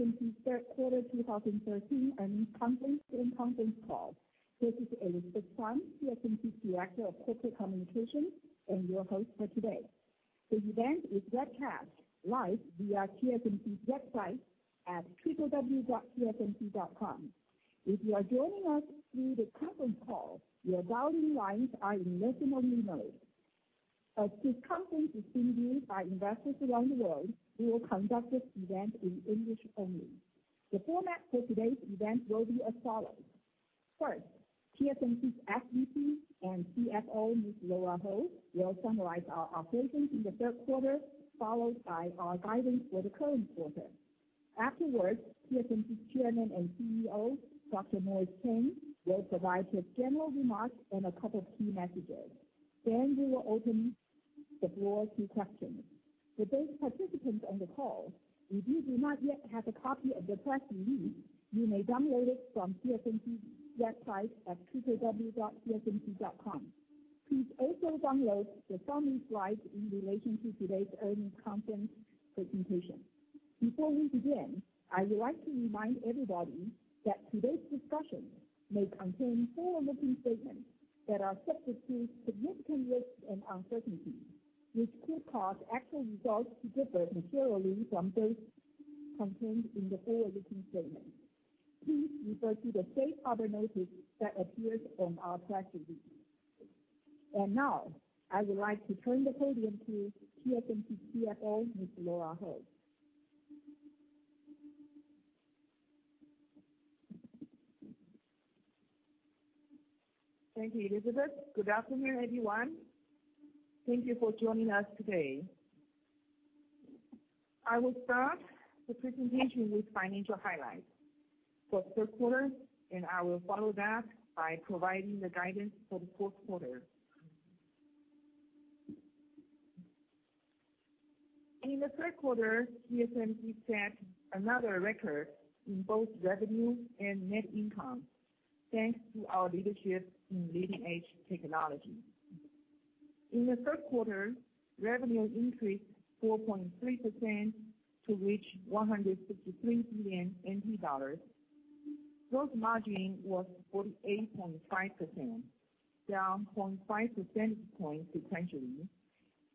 Welcome to TSMC's third quarter 2013 earnings conference teleconference call. This is Elizabeth Sun, TSMC's Director of Corporate Communications and your host for today. The event is webcast live via TSMC's website at www.tsmc.com. If you are joining us through the conference call, your dialing lines are in listen-only mode. As this conference is being viewed by investors around the world, we will conduct this event in English only. The format for today's event will be as follows. First, TSMC's SVP and CFO, Miss Lora Ho, will summarize our operations in the third quarter, followed by our guidance for the current quarter. Afterwards, TSMC's Chairman and CEO, Dr. Morris Chang, will provide his general remarks and a couple of key messages. Then we will open the floor to questions. For those participants on the call, if you do not yet have a copy of the press release, you may download it from TSMC's website at www.tsmc.com. Please also download the summary slides in relation to today's earnings conference presentation. Before we begin, I would like to remind everybody that today's discussion may contain forward-looking statements that are subject to significant risks and uncertainties, which could cause actual results to differ materially from those contained in the forward-looking statements. Please refer to the safe harbor notice that appears on our press release. Now, I would like to turn the podium to TSMC's CFO, Miss Lora Ho. Thank you, Elizabeth. Good afternoon, everyone. Thank you for joining us today. I will start the presentation with financial highlights for the third quarter, and I will follow that by providing the guidance for the fourth quarter. In the third quarter, TSMC set another record in both revenue and net income, thanks to our leadership in leading-edge technology. In the third quarter, revenue increased 4.3% to reach 163 billion dollars. Gross margin was 48.5%, down 0.5 percentage points sequentially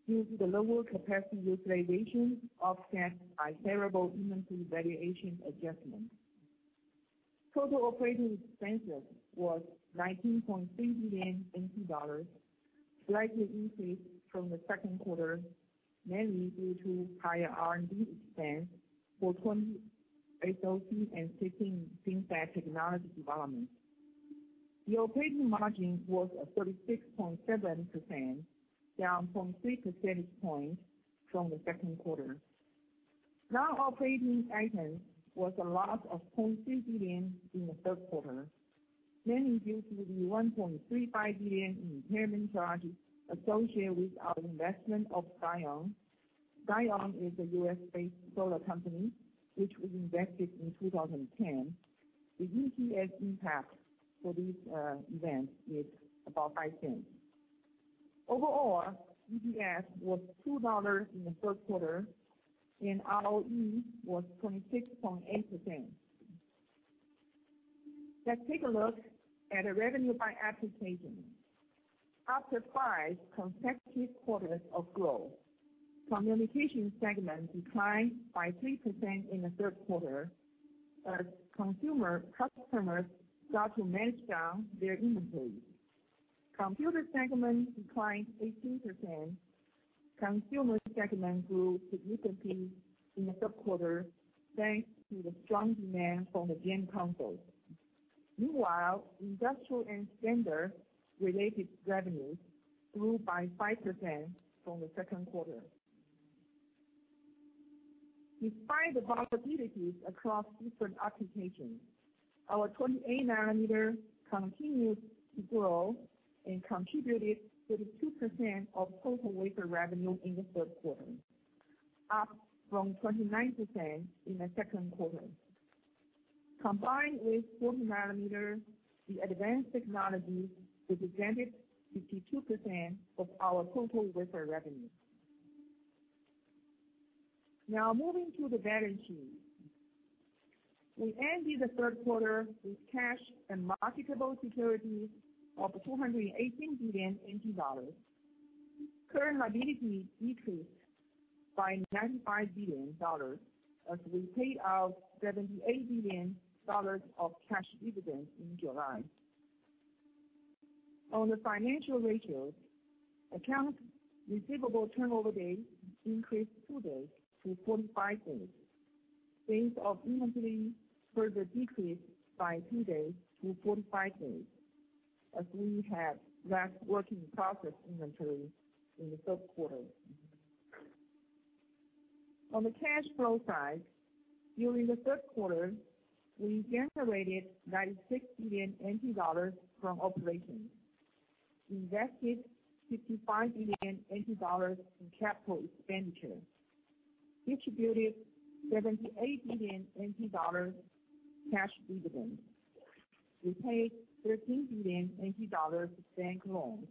due to the lower capacity utilization offset by favorable inventory valuation adjustment. Total operating expenses were 19.3 billion NT dollars, slightly increased from the second quarter, mainly due to higher R&D expense for 20nm SoC and 16 FinFET technology development. The operating margin was 36.7%, down 3 percentage points from the second quarter. Non-operating items was a loss of 0.3 billion in the third quarter, mainly due to the 1.35 billion impairment charges associated with our investment of Stion. Stion is a U.S.-based solar company, which was invested in 2010. The EPS impact for this event is about 0.05. Overall, EPS was 2 dollars in the third quarter, and ROE was 26.8%. Let's take a look at the revenue by application. After five consecutive quarters of growth, communication segment declined by 3% in the third quarter as consumer customers start to manage down their inventories. Computer segment declined 18%. Consumer segment grew significantly in the third quarter, thanks to the strong demand from the game consoles. Meanwhile, industrial and standard related revenues grew by 5% from the second quarter. Despite the volatilities across different applications, our 28-nanometer continued to grow and contributed 32% of total wafer revenue in the third quarter, up from 29% in the second quarter. Combined with 40-nanometer, the advanced technology represented 52% of our total wafer revenue. Now moving to the balance sheet. We ended the third quarter with cash and marketable securities of 218 billion NT dollars. Current liability decreased by 95 billion dollars as we paid out 78 billion dollars of cash dividends in July. On the financial ratios, accounts receivable turnover days increased 2 days to 45 days. Days of inventory further decreased by 2 days to 45 days, as we had less work-in-process inventory in the third quarter. On the cash flow side, during the third quarter, we generated 96 billion NT dollars from operations, invested 55 billion NT dollars in capital expenditure, distributed 78 billion NT dollars cash dividends. We paid 13 billion NT dollars bank loans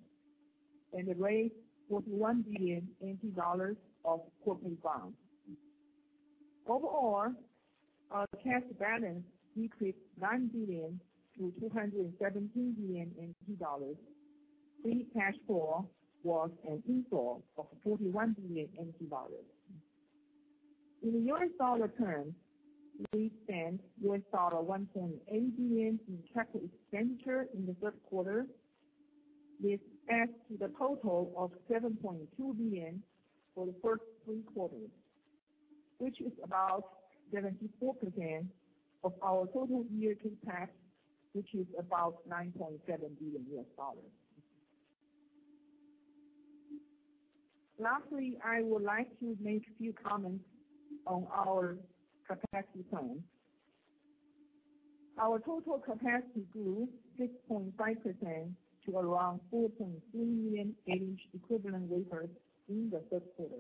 and raised 41 billion NT dollars of corporate bonds. Overall, our cash balance decreased 9 billion to 217 billion NT dollars. Free cash flow was an inflow of 41 billion NT dollars. In US dollar terms, we spent $1.8 billion in capital expenditure in the third quarter, this adds to the total of $7.2 billion for the first three quarters, which is about 74% of our total year CapEx, which is about $9.7 billion. Lastly, I would like to make a few comments on our capacity plans. Our total capacity grew 6.5% to around 4.3 million 8-inch equivalent wafers in the third quarter,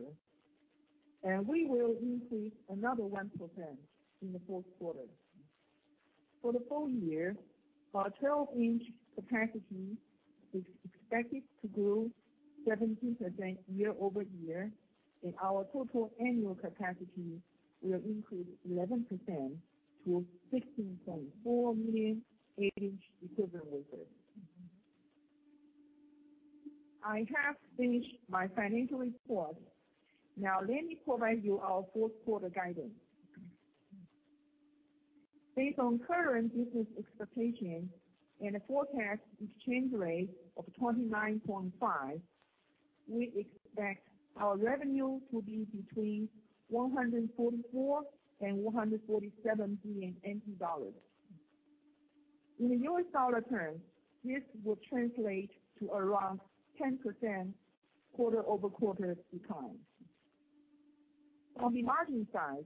and we will increase another 1% in the fourth quarter. For the full year, our 12-inch capacity is expected to grow 17% year-over-year, and our total annual capacity will increase 11% to 16.4 million 8-inch equivalent wafers. I have finished my financial report. Now let me provide you our fourth quarter guidance. Based on current business expectations and a forecast exchange rate of 29.5, we expect our revenue to be between 144 billion-147 billion NT dollars. In the US dollar terms, this will translate to around 10% quarter-over-quarter decline. On the margin side,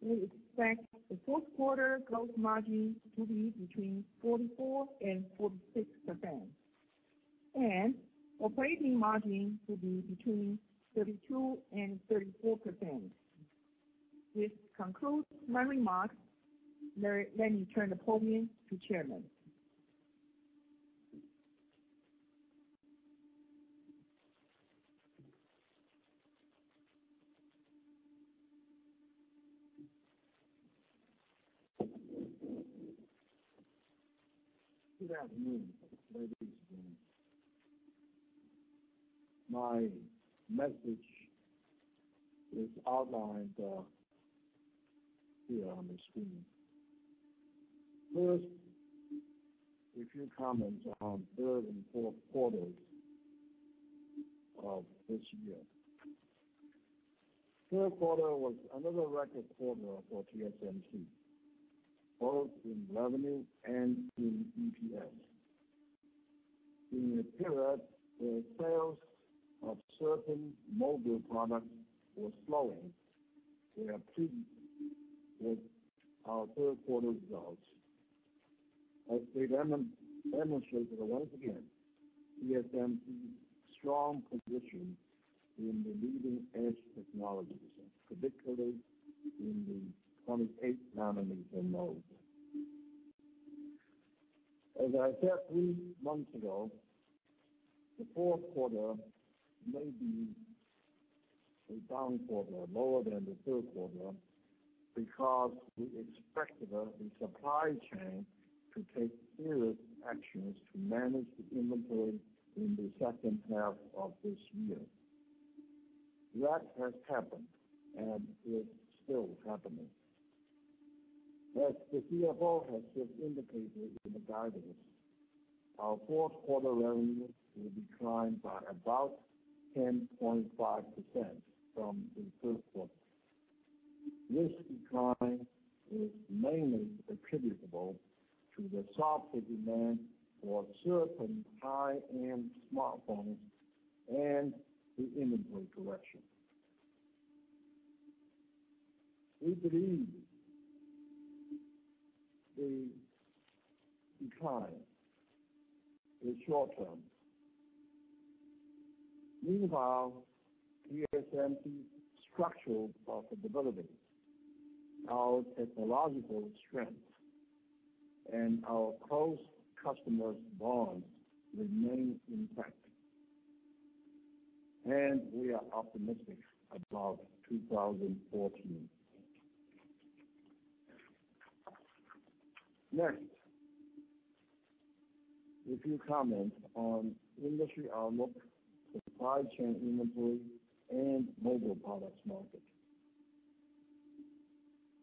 we expect the fourth quarter growth margin to be between 44%-46%, and operating margin to be between 32%-34%. This concludes my remarks. Let me turn the podium to Chairman. Good afternoon, ladies and gentlemen. My message is outlined here on the screen. First, a few comments on third and fourth quarters of this year. Third quarter was another record quarter for TSMC, both in revenue and in EPS. During the period, the sales of certain mobile products were slowing. They have with our third quarter results. I think that demonstrates once again, TSMC's strong position in the leading-edge technologies, particularly in the 28-nanometer node. As I said three months ago, the fourth quarter may be a down quarter, lower than the third quarter, because we expected the supply chain to take serious actions to manage the inventory in the second half of this year. That has happened and is still happening. As the CFO has just indicated in the guidance, our fourth quarter revenue will decline by about 10.5% from the third quarter. This decline is mainly attributable to the softer demand for certain high-end smartphones and the inventory correction. We believe the decline is short-term. Meanwhile, TSMC's structural possibilities, our technological strength, and our close customer bonds remain intact. We are optimistic about 2014. Next, a few comments on industry outlook, supply chain inventory, and mobile products market.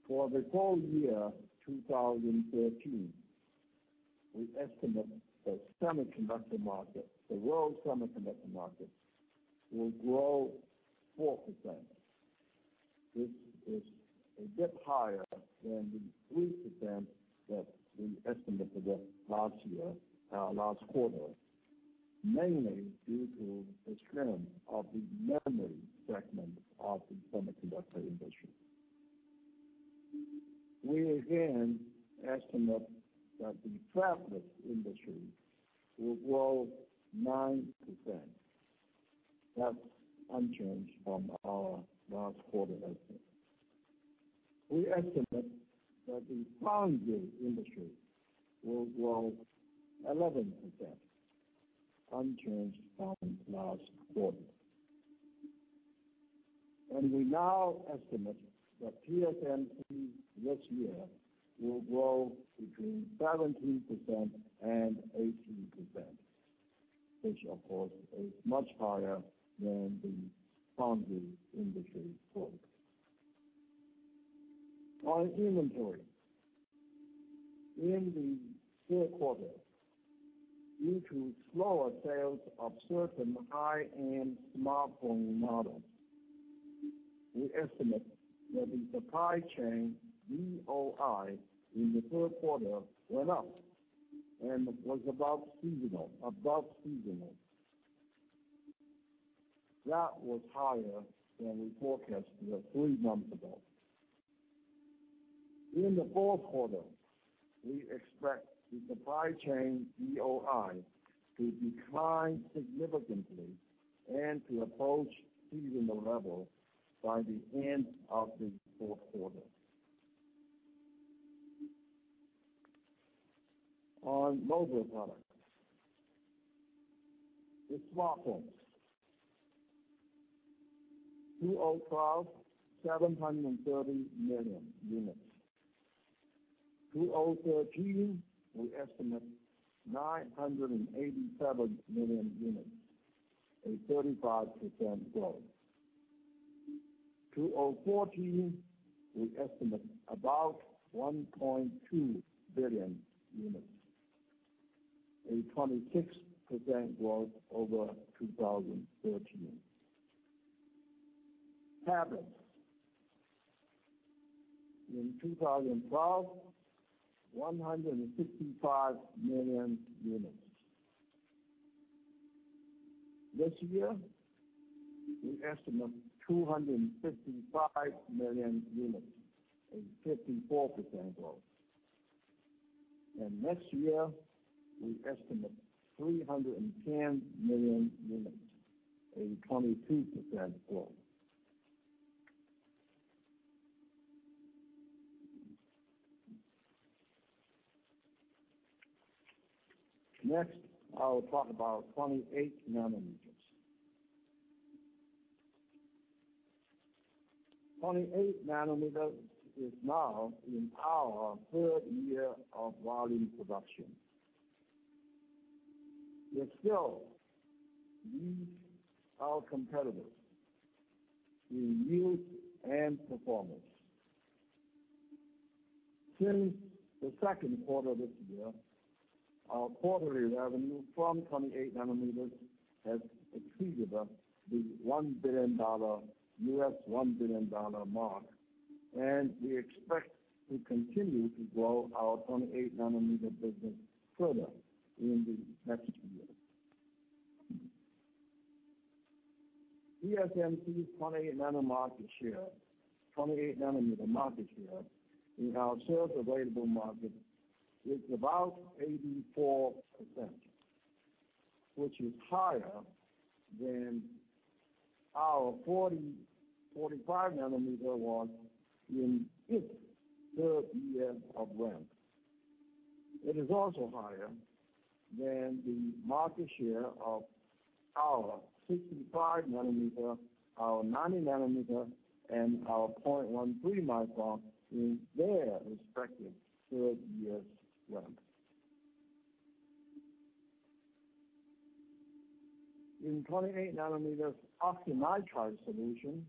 For the full year 2013, we estimate the semiconductor market, the world semiconductor market, will grow 4%, which is a bit higher than the 3% that we estimated last quarter, mainly due to the strength of the memory segment of the semiconductor industry. We again estimate that the tablet industry will grow 9%. That's unchanged from our last quarter estimate. We estimate that the foundry industry will grow 11%, unchanged from last quarter. We now estimate that TSMC this year will grow between 17% and 18%, which of course, is much higher than the foundry industry growth. On inventory. In the third quarter, due to slower sales of certain high-end smartphone models, we estimate that the supply chain DOI in the third quarter went up and was above seasonal. That was higher than we forecasted three months ago. In the fourth quarter, we expect the supply chain DOI to decline significantly and to approach seasonal level by the end of the fourth quarter. On mobile products. The smartphones, 2012, 730 million units. 2013, we estimate 987 million units, a 35% growth. 2014, we estimate about 1.2 billion units, a 26% growth over 2013. Tablets. In 2012, 165 million units. This year, we estimate 255 million units, a 54% growth. Next year, we estimate 310 million units, a 22% growth. Next, I will talk about 28 nanometers. 28 nanometers is now in our third year of volume production. It still beats our competitors in yield and performance. Since the second quarter of this year, our quarterly revenue from 28 nanometers has exceeded the $1 billion mark. We expect to continue to grow our 28 nanometer business further in the next year. TSMC 28 nanometer market share in our sales available market is about 84%, which is higher than our 45 nanometer was in its third year of ramp. It is also higher than the market share of our 65 nanometer, our 90 nanometer, and our 0.13 micron in their respective third years ramp. In 28 nanometers oxynitride solution,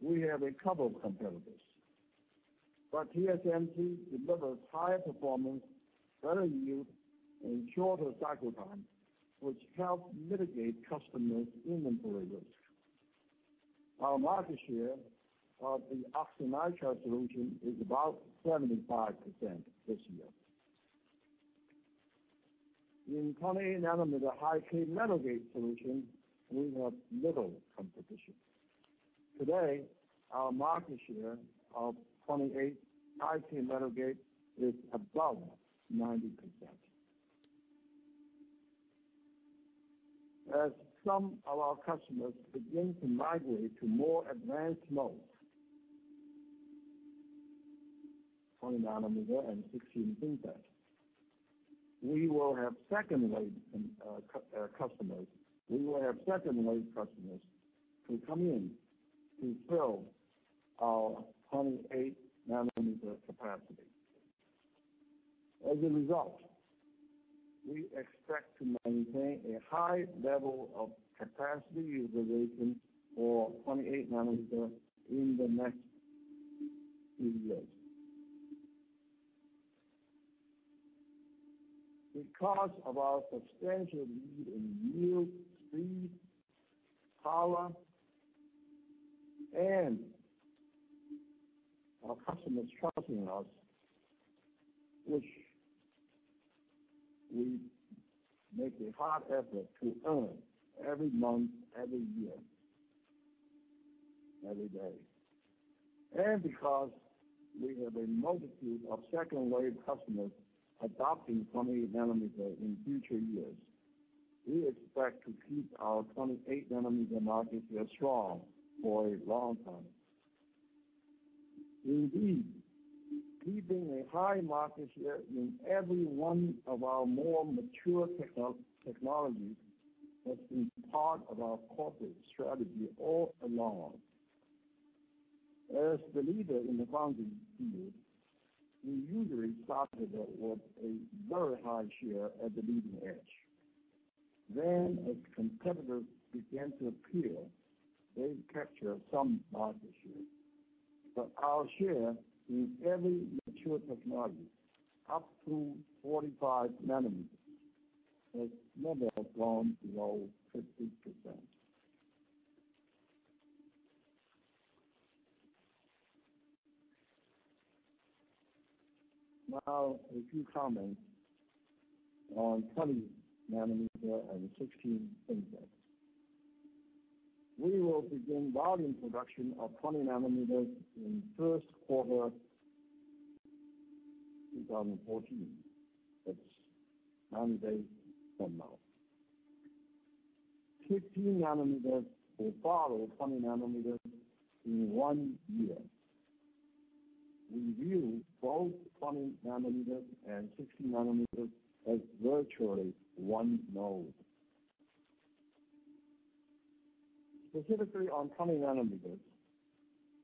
we have a couple of competitors. TSMC delivers higher performance, better yield, and shorter cycle time, which help mitigate customers' inventory risk. Our market share of the oxynitride solution is about 75% this year. In 28 nanometer high-k metal gate solution, we have little competition. Today, our market share of 28 high-k metal gate is above 90%. As some of our customers begin to migrate to more advanced nodes, 20 nanometer and 16 FinFET, we will have second-wave customers who come in to fill our 28 nanometer capacity. As a result, we expect to maintain a high level of capacity utilization for 28 nanometer in the next few years. Because of our substantial lead in yield, speed, power, and our customers trusting us, which we make a hard effort to earn every month, every day. Because we have a multitude of second-wave customers adopting 28 nanometer in future years, we expect to keep our 28 nanometer market share strong for a long time. Indeed, keeping a high market share in every one of our more mature technologies has been part of our corporate strategy all along. As the leader in the foundry field, we usually started at a very high share at the leading edge. As competitors began to appear, they'd capture some market share. Our share in every mature technology, up to 45-nanometer, has never gone below 50%. A few comments on 20-nanometer and 16-nanometer FinFET. We will begin volume production of 20-nanometer in first quarter 2014. That's nine days from now. 16-nanometer will follow 20-nanometer in one year. We view both 20-nanometer and 16-nanometer as virtually one node. Specifically on 20-nanometer,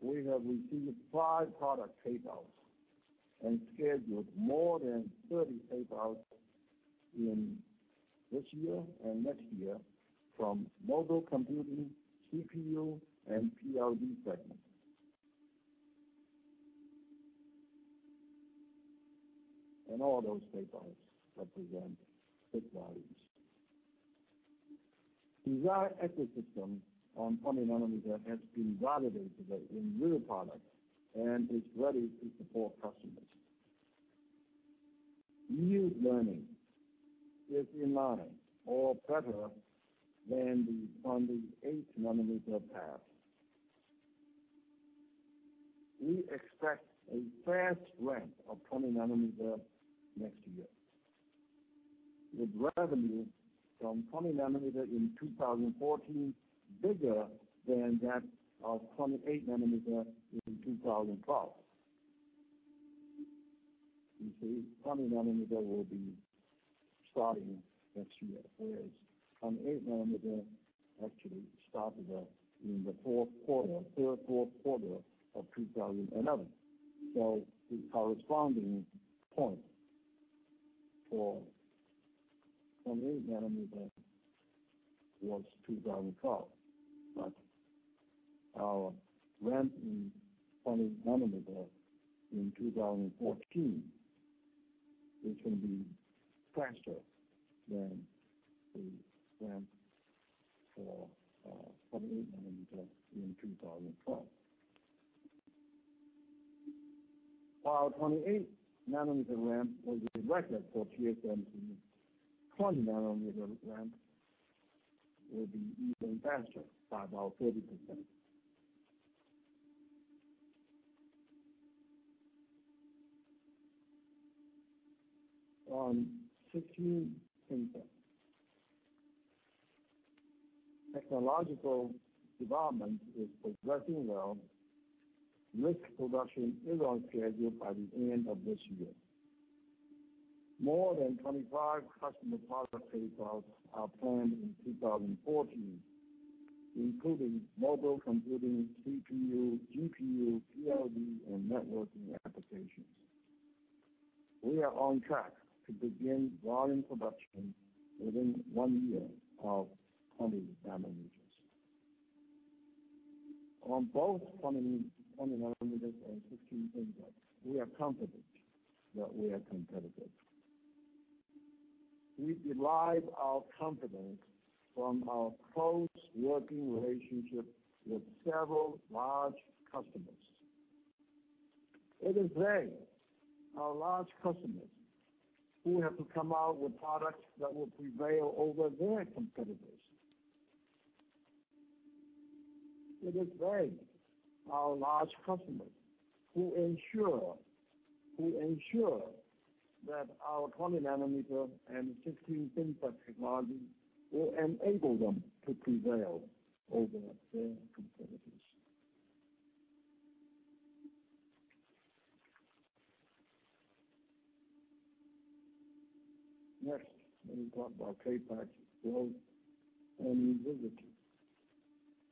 we have received five product tape-outs and scheduled more than 30 tape-outs in this year and next year from mobile computing, CPU, and PLD segments. All those tape-outs represent big volumes. The entire ecosystem on 20-nanometer has been validated in real products and is ready to support customers. Yield learning is in line or better than the 28-nanometer path. We expect a fast ramp of 20-nanometer next year, with revenue from 20-nanometer in 2014 bigger than that of 28-nanometer in 2012. You see, 20-nanometer will be starting next year, whereas 28-nanometer actually started in the fourth quarter of 2011. The corresponding point for 28-nanometer was 2012. Our ramp in 20-nanometer in 2014 is going to be faster than the ramp for 28-nanometer in 2012. While 28-nanometer ramp was a record for TSMC, 20-nanometer ramp will be even faster by about 30%. On 16-nanometer FinFET, technological development is progressing well. Risk production is on schedule by the end of this year. More than 25 customer product tape-outs are planned in 2014, including mobile computing, CPU, GPU, PLD, and networking applications. We are on track to begin volume production within one year of 20-nanometer. On both 20-nanometer and 16-nanometer FinFET, we are confident that we are competitive. We derive our confidence from our close working relationship with several large customers. It is they, our large customers, who have to come out with products that will prevail over their competitors. It is they, our large customers, who ensure that our 20-nanometer and 16-nanometer FinFET technologies will enable them to prevail over their competitors. Next, let me talk about CapEx growth and visibility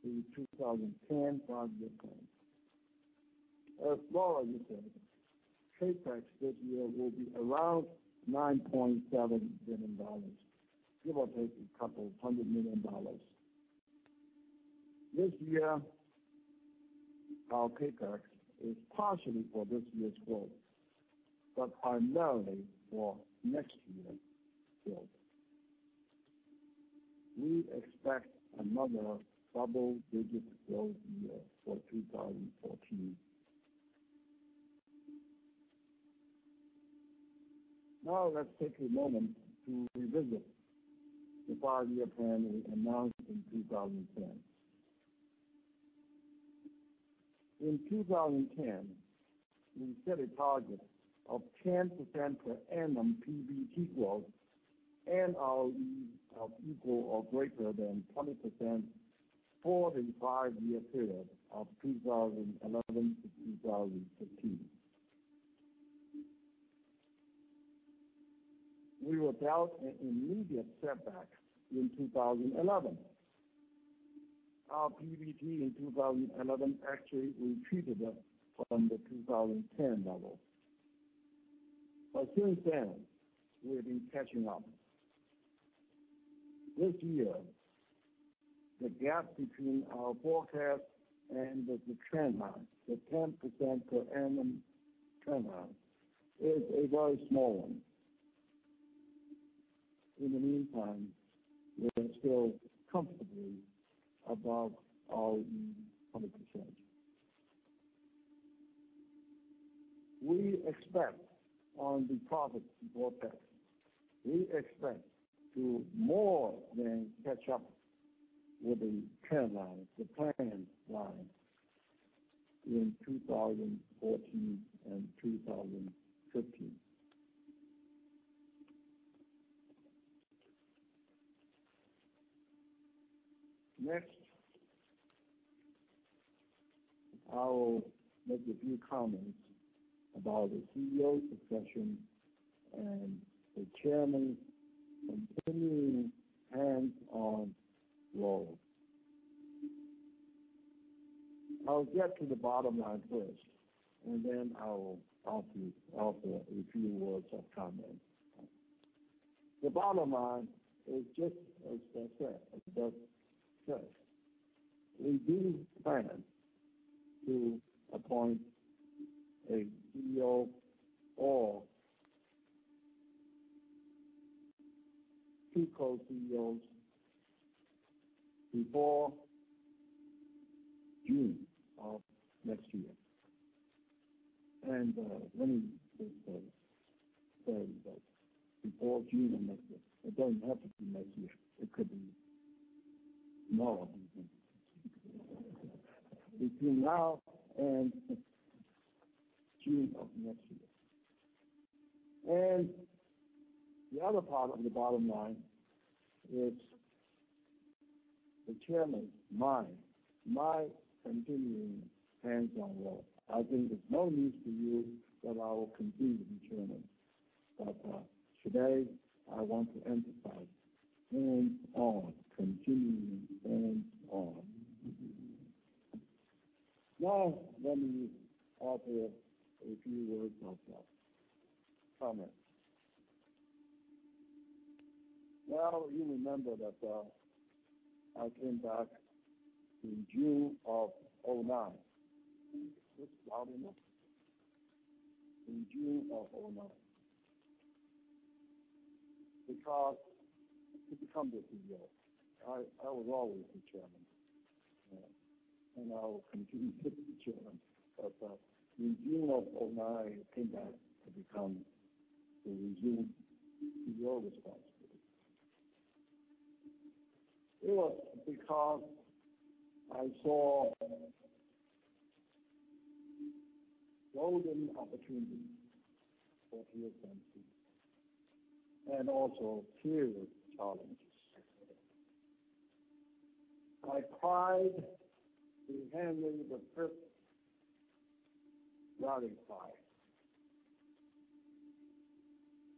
through 2010 product plans. As Lora mentioned, CapEx this year will be around $9.7 billion, give or take a couple hundred million TWD. This year, our CapEx is partially for this year's growth, but primarily for next year's growth. We expect another double-digit growth year for 2014. Let's take a moment to revisit the five-year plan we announced in 2010. In 2010, we set a target of 10% per annum PBT growth and ROE of equal or greater than 20% for the five-year period of 2011 to 2015. We were dealt an immediate setback in 2011. Our PBT in 2011 actually retreated from the 2010 level. Since then, we have been catching up. This year, the gap between our forecast and the trend line, the 10% per annum trend line, is a very small one. In the meantime, we are still comfortably above our ROE of 20%. We expect on the profit forecast, we expect to more than catch up with the trend line, the plan line, in 2014 and 2015. I will make a few comments about the CEO succession and the chairman's continuing hands-on role. I will get to the bottom line first. I will offer a few words of comment. The bottom line is just as it says. We do plan to appoint a CEO or two co-CEOs before June of next year. Let me just say that before June of next year, it doesn't have to be next year. It could be tomorrow even. Between now and June of next year. The other part of the bottom line is the chairman, my continuing hands-on role. I think there's no news to you that I will continue to be chairman. Today, I want to emphasize hands-on, continuing hands-on. Let me offer a few words of comments. You remember that I came back in June of 2009. Is this loud enough? In June of 2009. To become the CEO, I was always the chairman, and I will continue to be chairman. In June of 2009, I came back to resume CEO responsibilities. It was because I saw a golden opportunity for TSMC and also huge challenges. My pride in handling the purpose rallied pride.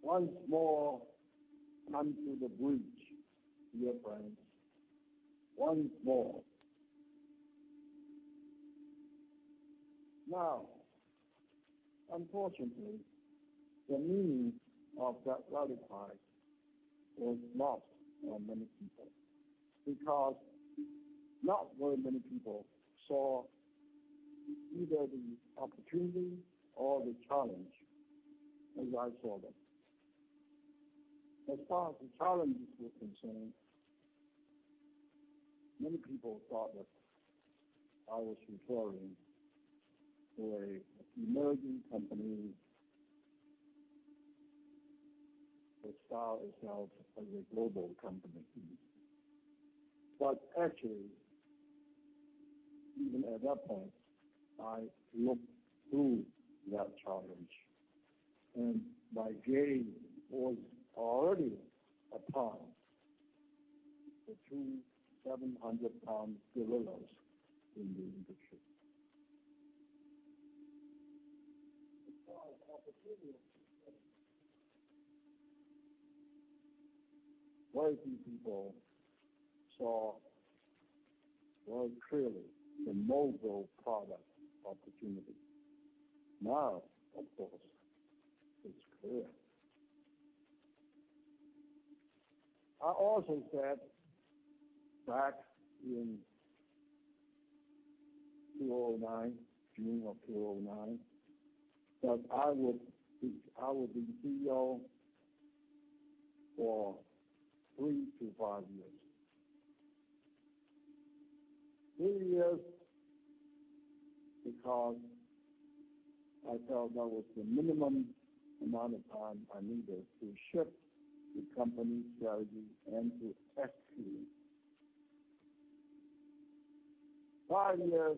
Once more unto the breach, dear friends. Once more. Unfortunately, the meaning of that rally cry is lost on many people because not very many people saw either the opportunity or the challenge as I saw them. As far as the challenge is concerned, many people thought that I was returning to an emerging company that saw itself as a global company. Actually, even at that point, I looked through that challenge and my gaze was already upon the two 700-pound gorillas in the industry. As far as opportunity is concerned, very few people saw very clearly the mobile product opportunity. Of course, it's clear. I also said back in June of 2009 that I would be CEO for three to five years. Three years because I felt that was the minimum amount of time I needed to shift the company strategy and to execute. Five years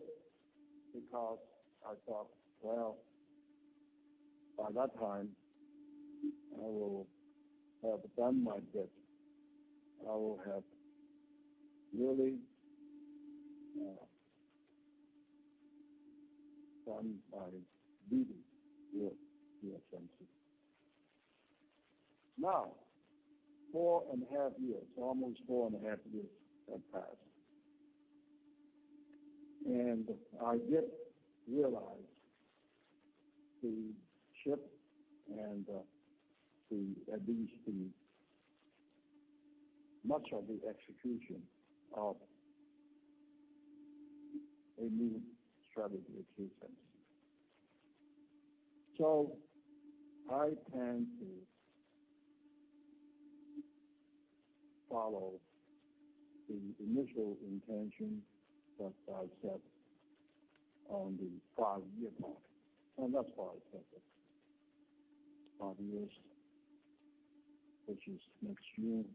because I thought, "Well, by that time, I will have done my bit. I will have really done my duty with TSMC." Almost four and a half years have passed, and I yet realize the shift and at least much of the execution of a new strategy at TSMC. I plan to follow the initial intention that I set on the five-year mark, and that's why I said that five years, which is next June,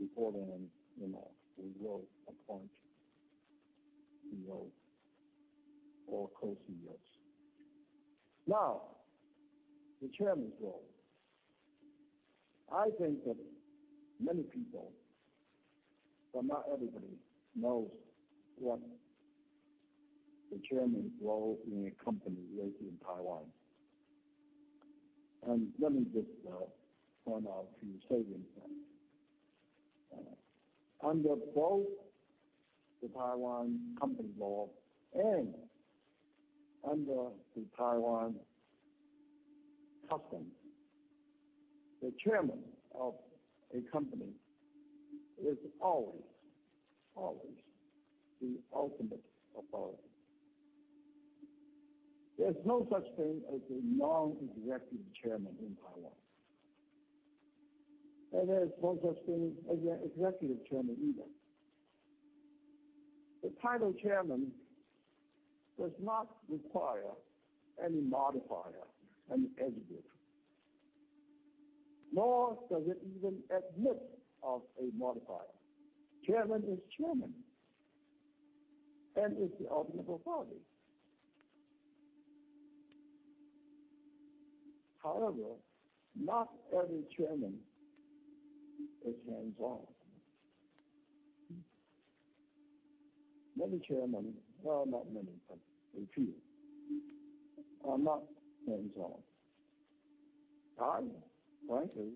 before then, we will appoint a CEO or co-CEOs. The chairman's role. I think that many people, but not everybody, knows what the chairman's role in a company is in Taiwan. Let me just run a few statements by you. Under both the Taiwan Company Act and under the Taiwan custom, the chairman of a company is always the ultimate authority. There's no such thing as a non-executive chairman in Taiwan, and there's no such thing as an executive chairman either. The title chairman does not require any modifier, any adjective, nor does it even admit of a modifier. Chairman is chairman, and is the ultimate authority. However, not every chairman is hands-on. Many chairman, well, not many, but a few, are not hands-on. I, frankly,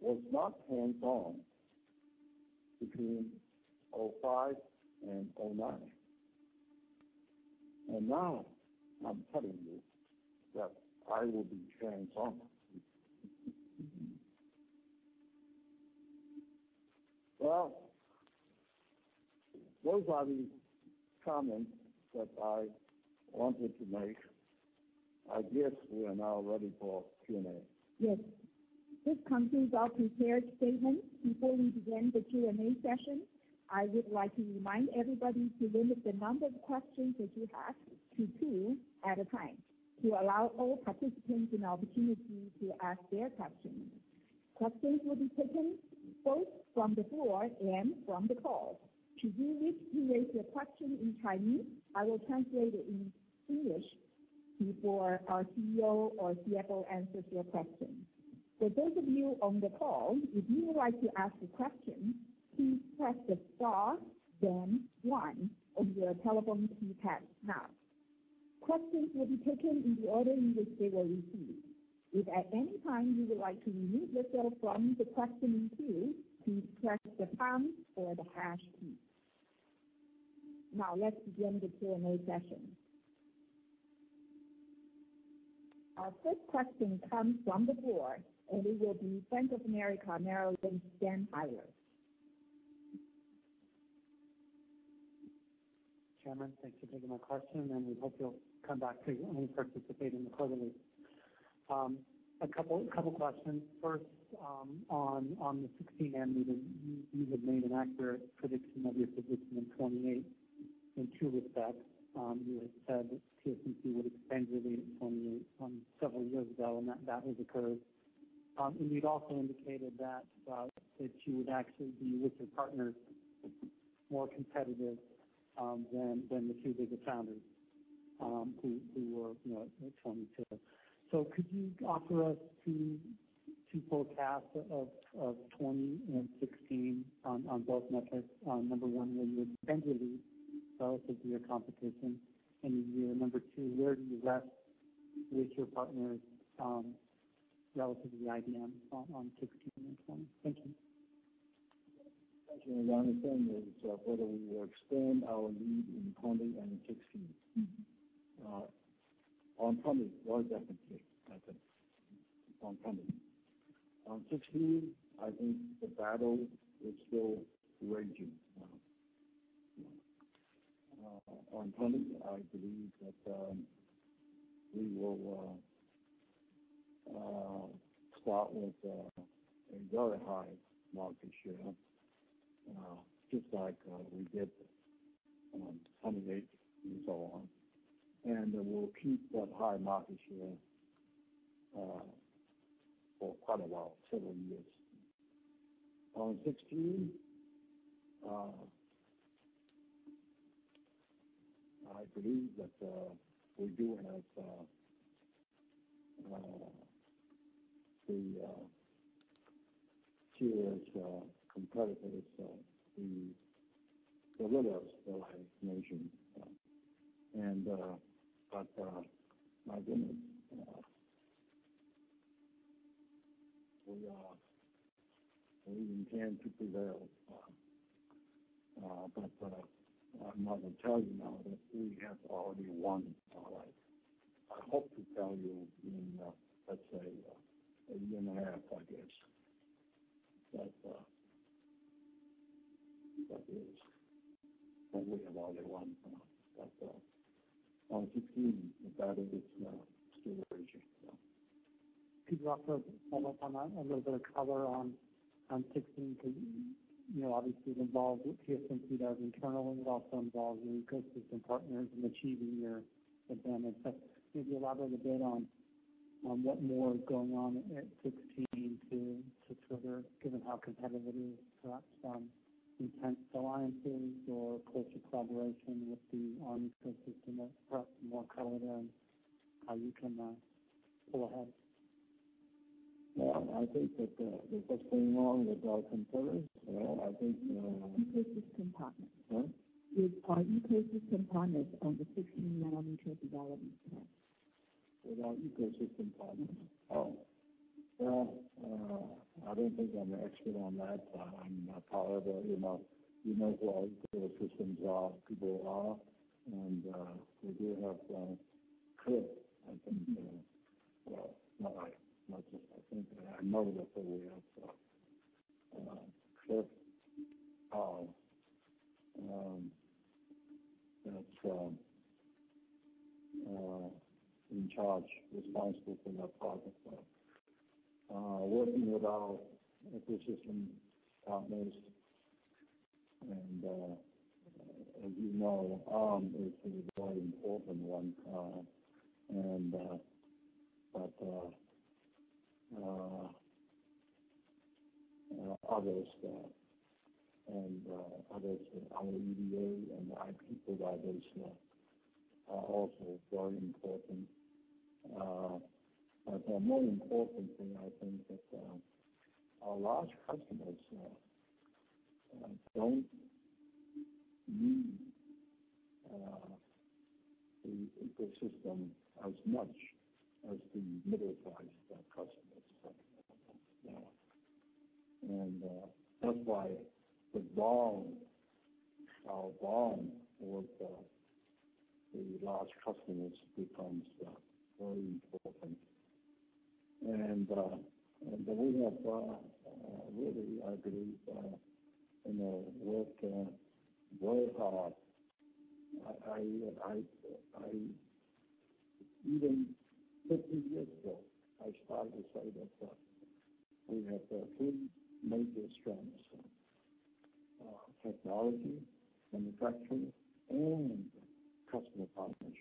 was not hands-on between 2005 and 2009. Now I'm telling you that I will be hands-on. Well, those are the comments that I wanted to make. I guess we are now ready for Q&A. Yes. This concludes our prepared statements. Before we begin the Q&A session, I would like to remind everybody to limit the number of questions that you ask to two at a time to allow all participants an opportunity to ask their questions. Questions will be taken both from the floor and from the call. Should you wish to raise your question in Chinese, I will translate it in English before our CEO or CFO answers your question. For those of you on the call, if you would like to ask a question, please press the star then one on your telephone keypad now. Questions will be taken in the order in which they were received. If at any time you would like to remove yourself from the questioning queue, please press the pound or the hash key. Now let's begin the Q&A session. Our first question comes from the floor. It will be [Friends of Mary Kay Merrill Lynch], Dan Heyler. Chairman, thank you for taking my question. We hope you'll come back to participate in the quarterly. A couple questions. First, on the 16-nanometer meeting, you had made an accurate prediction of your position in '28 in two respects. You had said that TSMC would expand their lead from several years ago, and that has occurred. You'd also indicated that you would actually be, with your partners, more competitive than the two bigger foundries who were forming together. Could you offer us two forecasts of '20 and '16 on both metrics? Number one, where you would expand your lead relative to your competition in the year. Number two, where do you rest with your partners relative to IBM on 16 and 20? Thank you. Thank you. You want to understand whether we will expand our lead in 20 and in 16. On 20, most definitely. That's it. On 20. On 16, I think the battle is still raging now. On 20, I believe that we will start with a very high market share just like we did on 28 and so on. We'll keep that high market share for quite a while, several years. On 16, I believe that we do have the fierce competitors, the littles that I mentioned. My goodness, we intend to prevail. I'm not going to tell you now that we have already won. I hope to tell you in, let's say, a year and a half, I guess. That is probably a longer one. On 16, that is the story. Could you also follow up on that, a little bit of color on 16, because obviously it involves what TSMC does internally, and it also involves your ecosystem partners in achieving your agenda. Could you elaborate a bit on what more is going on at 16 to trigger, given how competitive it is, perhaps some intense alliances or closer collaboration with the ARM ecosystem? Perhaps more color there on how you can pull ahead. Yeah. I think that there's nothing wrong with our competitors. Ecosystem partners. Huh? Are ecosystem partners on the 16 nanometer development plan? Without ecosystem partners. Oh. I don't think I'm an expert on that. You know who our ecosystem people are, and we do have Cliff, I think. Well, not I think. I know that we have Cliff that's in charge, responsible for that project. Working with our ecosystem partners, as you know, ARM is a very important one. Others there. Others, our EDA and the IP providers there are also very important. The more important thing, I think that our large customers don't need the ecosystem as much as the middle-sized customers. That's why the bond, our bond with the large customers becomes very important. We have really, I believe, worked very hard. Even 50 years ago, I started to say that we have three major strengths: technology, manufacturing, and customer partnership.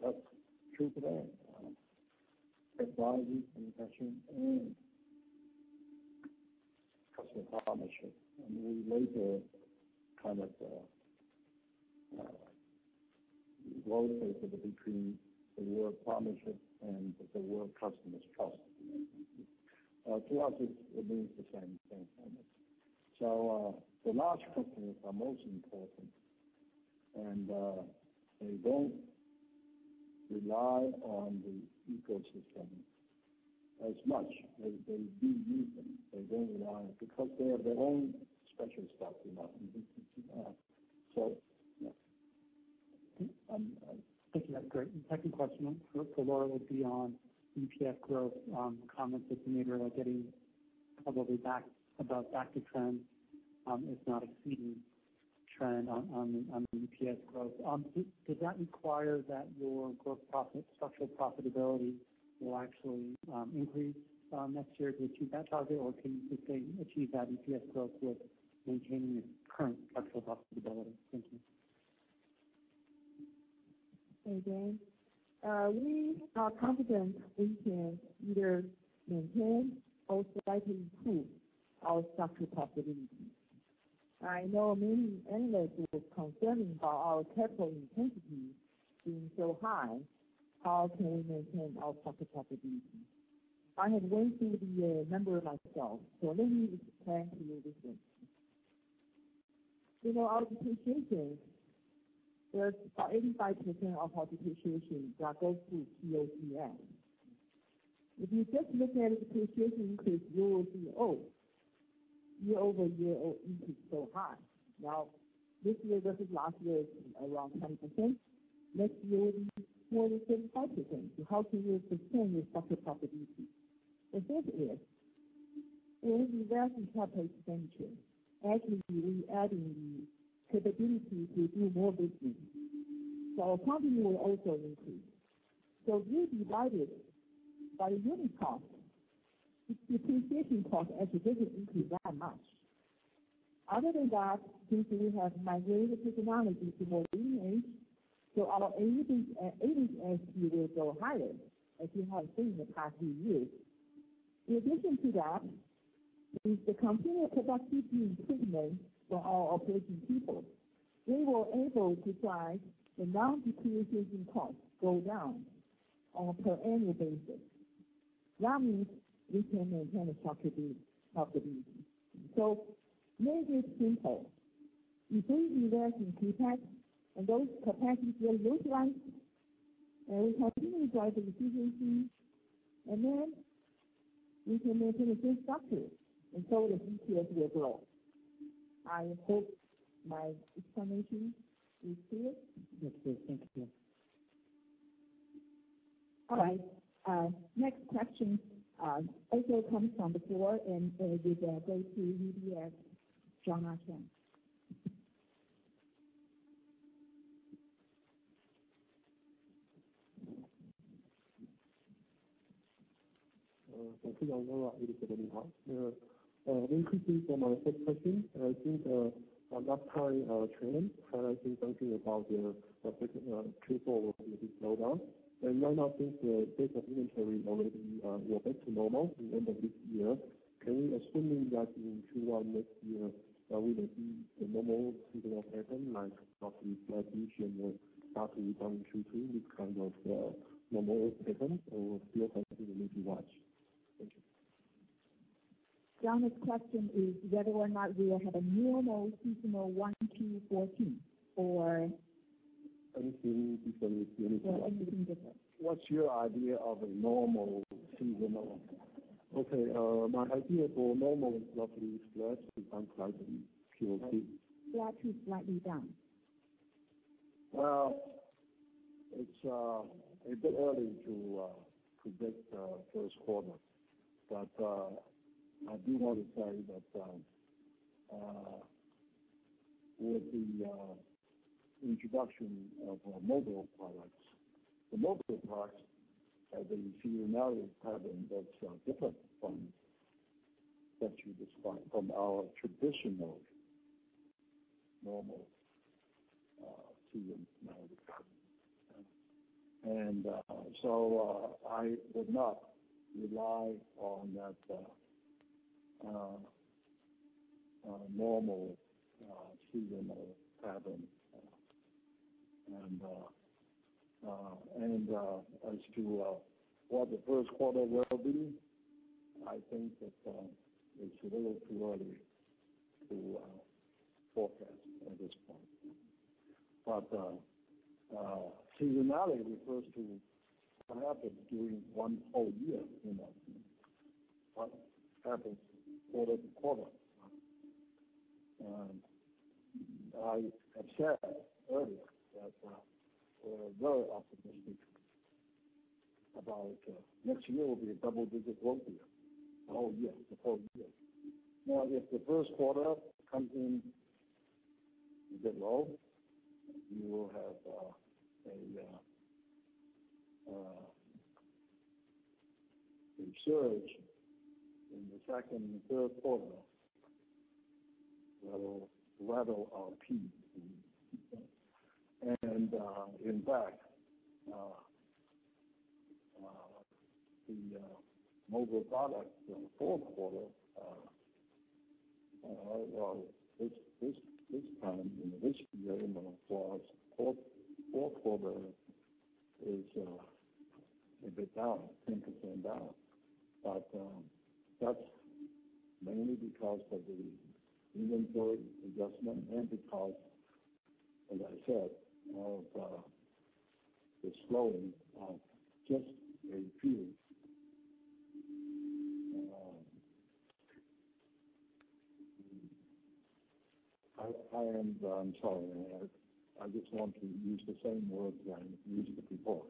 That's true today. Technology, manufacturing, and customer partnership. We made that kind of rotate it between the word partnership and the word customers trust. To us, it means the same thing. The large customers are most important, and they don't rely on the ecosystem as much. They do use them. They don't rely on it because they have their own special stuff. Yeah. Thank you. That's great. Second question for Lora will be on EPS growth. Comments that you made are getting probably back about above the trend is not exceeding trend on the EPS growth. Does that require that your gross profit, structural profitability will actually increase next year to achieve that target? Or can you achieve that EPS growth with maintaining your current structural profitability? Thank you. Hey, Dan. We are confident we can either maintain or slightly improve our structural profitability. I know many analysts are concerned about our capital intensity being so high. How can we maintain our structural profitability? I have gone through the number myself, so let me explain to you this thing. Our depreciation, about 85% of our depreciation goes through COGS. If you just look at depreciation increase year-over-year, year-over-year increase so high. Now this year versus last year is around 10%. Let's move for the third part again, to how can you sustain this profitability. And that is, when we invest in CapEx venture, actually we adding the capability to do more business. So our volume will also increase. So we divided by unit cost. Its depreciation cost actually didn't increase that much. Other than that, since we have migrated technology to more leading edge, our ASPs will go higher, as you have seen in the past few years. In addition to that, with the continued productivity improvement from our operation people, we were able to drive the non-depreciating cost to go down on a per annual basis. That means we can maintain the profitability. Make it simple. We continue to invest in CapEx, and those capacities will utilize, and we continue drive the efficiency, and then we can maintain a good structure, so the EPS will grow. I hope my explanation is clear. Looks good. Thank you. Next question also comes from the floor, it will go to UBS, Jonah Cheng. Thank you. I'm Jonah Cheng. Interestingly, for my first question, I think, last time, chairman highlighted something about the Q4 will be a big slowdown. Right now, since the days of inventory already go back to normal in end of this year, can we assuming that in Q1 next year, there will be a normal seasonal pattern, like roughly flat PC and slightly down in 2T, this kind of normal pattern? Still something we need to watch? Thank you. Jonah, his question is whether or not we will have a normal seasonal one Q14 or Anything different. Yeah, anything different. What's your idea of a normal seasonal? Okay. My idea for normal is roughly flat to down slightly QoQ. Flat to slightly down. Well, it's a bit early to predict first quarter. I do want to say that with the introduction of our mobile products, the mobile products have a seasonality pattern that's different from what you described from our traditional normal seasonality pattern. So I would not rely on that normal seasonal pattern. As to what the first quarter will be, I think that it's a little too early to forecast at this point. Seasonality refers to what happens during one whole year, not what happens quarter-to-quarter. I said earlier that we're very optimistic about next year will be a double-digit growth year. The whole year. The full year. Now, if the first quarter comes in a bit low, we will have a surge in the second and third quarter that will rival our peak in Q4. In fact, the mobile products in the fourth quarter, this time in this year, fourth quarter is a bit down, 10% down. That's mainly because of the inventory adjustment and because, as I said, of the slowing of just a few. I am sorry. I just want to use the same words I used before.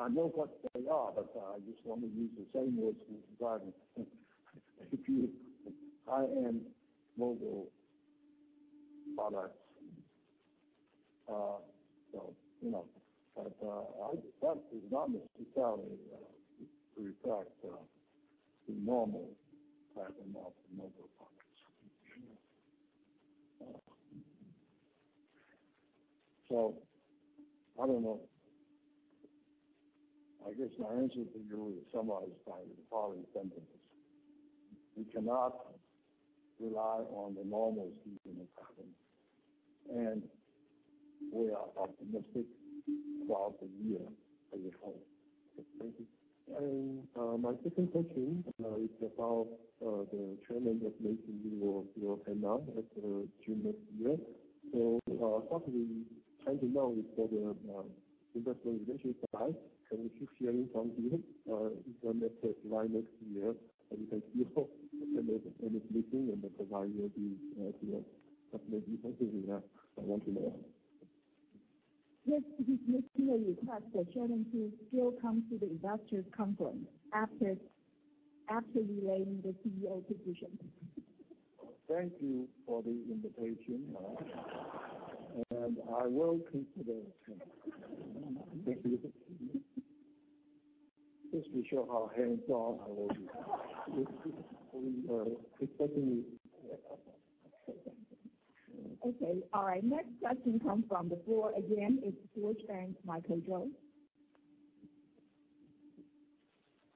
I know what they are, but I just want to use the same words regarding ARM mobile products. That does not necessarily reflect the normal pattern of the mobile products. I don't know. I guess my answer for you is summarized by the following sentences. We cannot rely on the normal seasonal pattern, and we are optimistic about the year as a whole. Thank you. My second question is about the Chairman just making your announcement during this year. Starting trying to know is for the investor relations side, can we keep hearing from you [if we met decline next year]? We can see the analyst meeting and the provider view here. That may be helpful. I want to know. Just to make clear, you said that Chairman Chang still comes to the investors' conference after relaying the CEO position. Thank you for the invitation. I will consider attending. Thank you. Just to show how hands-off I will be. We are expecting you. Okay. All right. Next question comes from the floor again. It's Deutsche Bank, Michael Chou.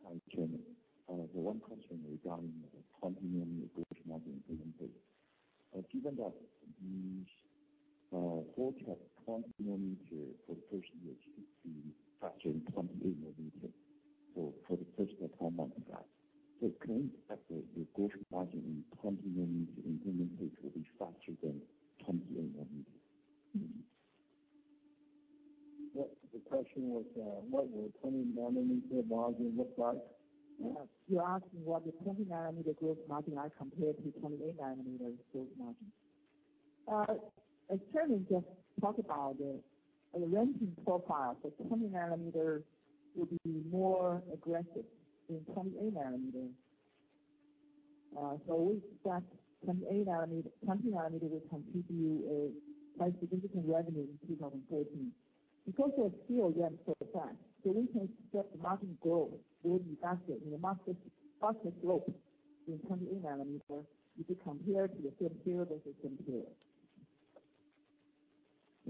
Hi, Chairman. One question regarding the 20-nanometer gross margin improvement. Given that you forecast 20-nanometer for the first year to faster in 28-nanometer for the first 12 months of that, can we expect the gross margin in 20-nanometer [inaudible] will be faster than 28-nanometer? The question was, what will 20-nanometer margin look like? Yes. You're asking what the 20-nanometer gross margin is compared to 28-nanometer gross margin. As Chairman just talked about, the ramping profile for 20-nanometer will be more aggressive than 28-nanometer. We expect 20-nanometer will contribute a quite significant revenue in 2013 Because we are still ramping for a fact, we can expect the gross margin growth will be faster, and the gross margin slope in 20-nanometer if you compare to the same period by same period.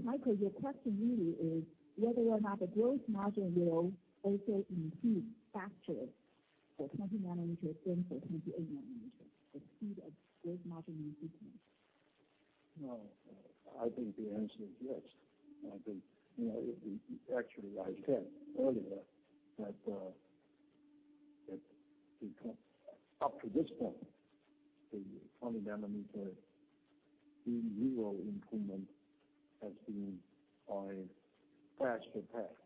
Michael, your question really is whether or not the gross margin will also improve faster for 20-nanometer than for 28-nanometer, the speed of gross margin improvement. No. I think the answer is yes. Actually, as you said earlier, that up to this point, the 20-nanometer year-over-year improvement has been on faster pace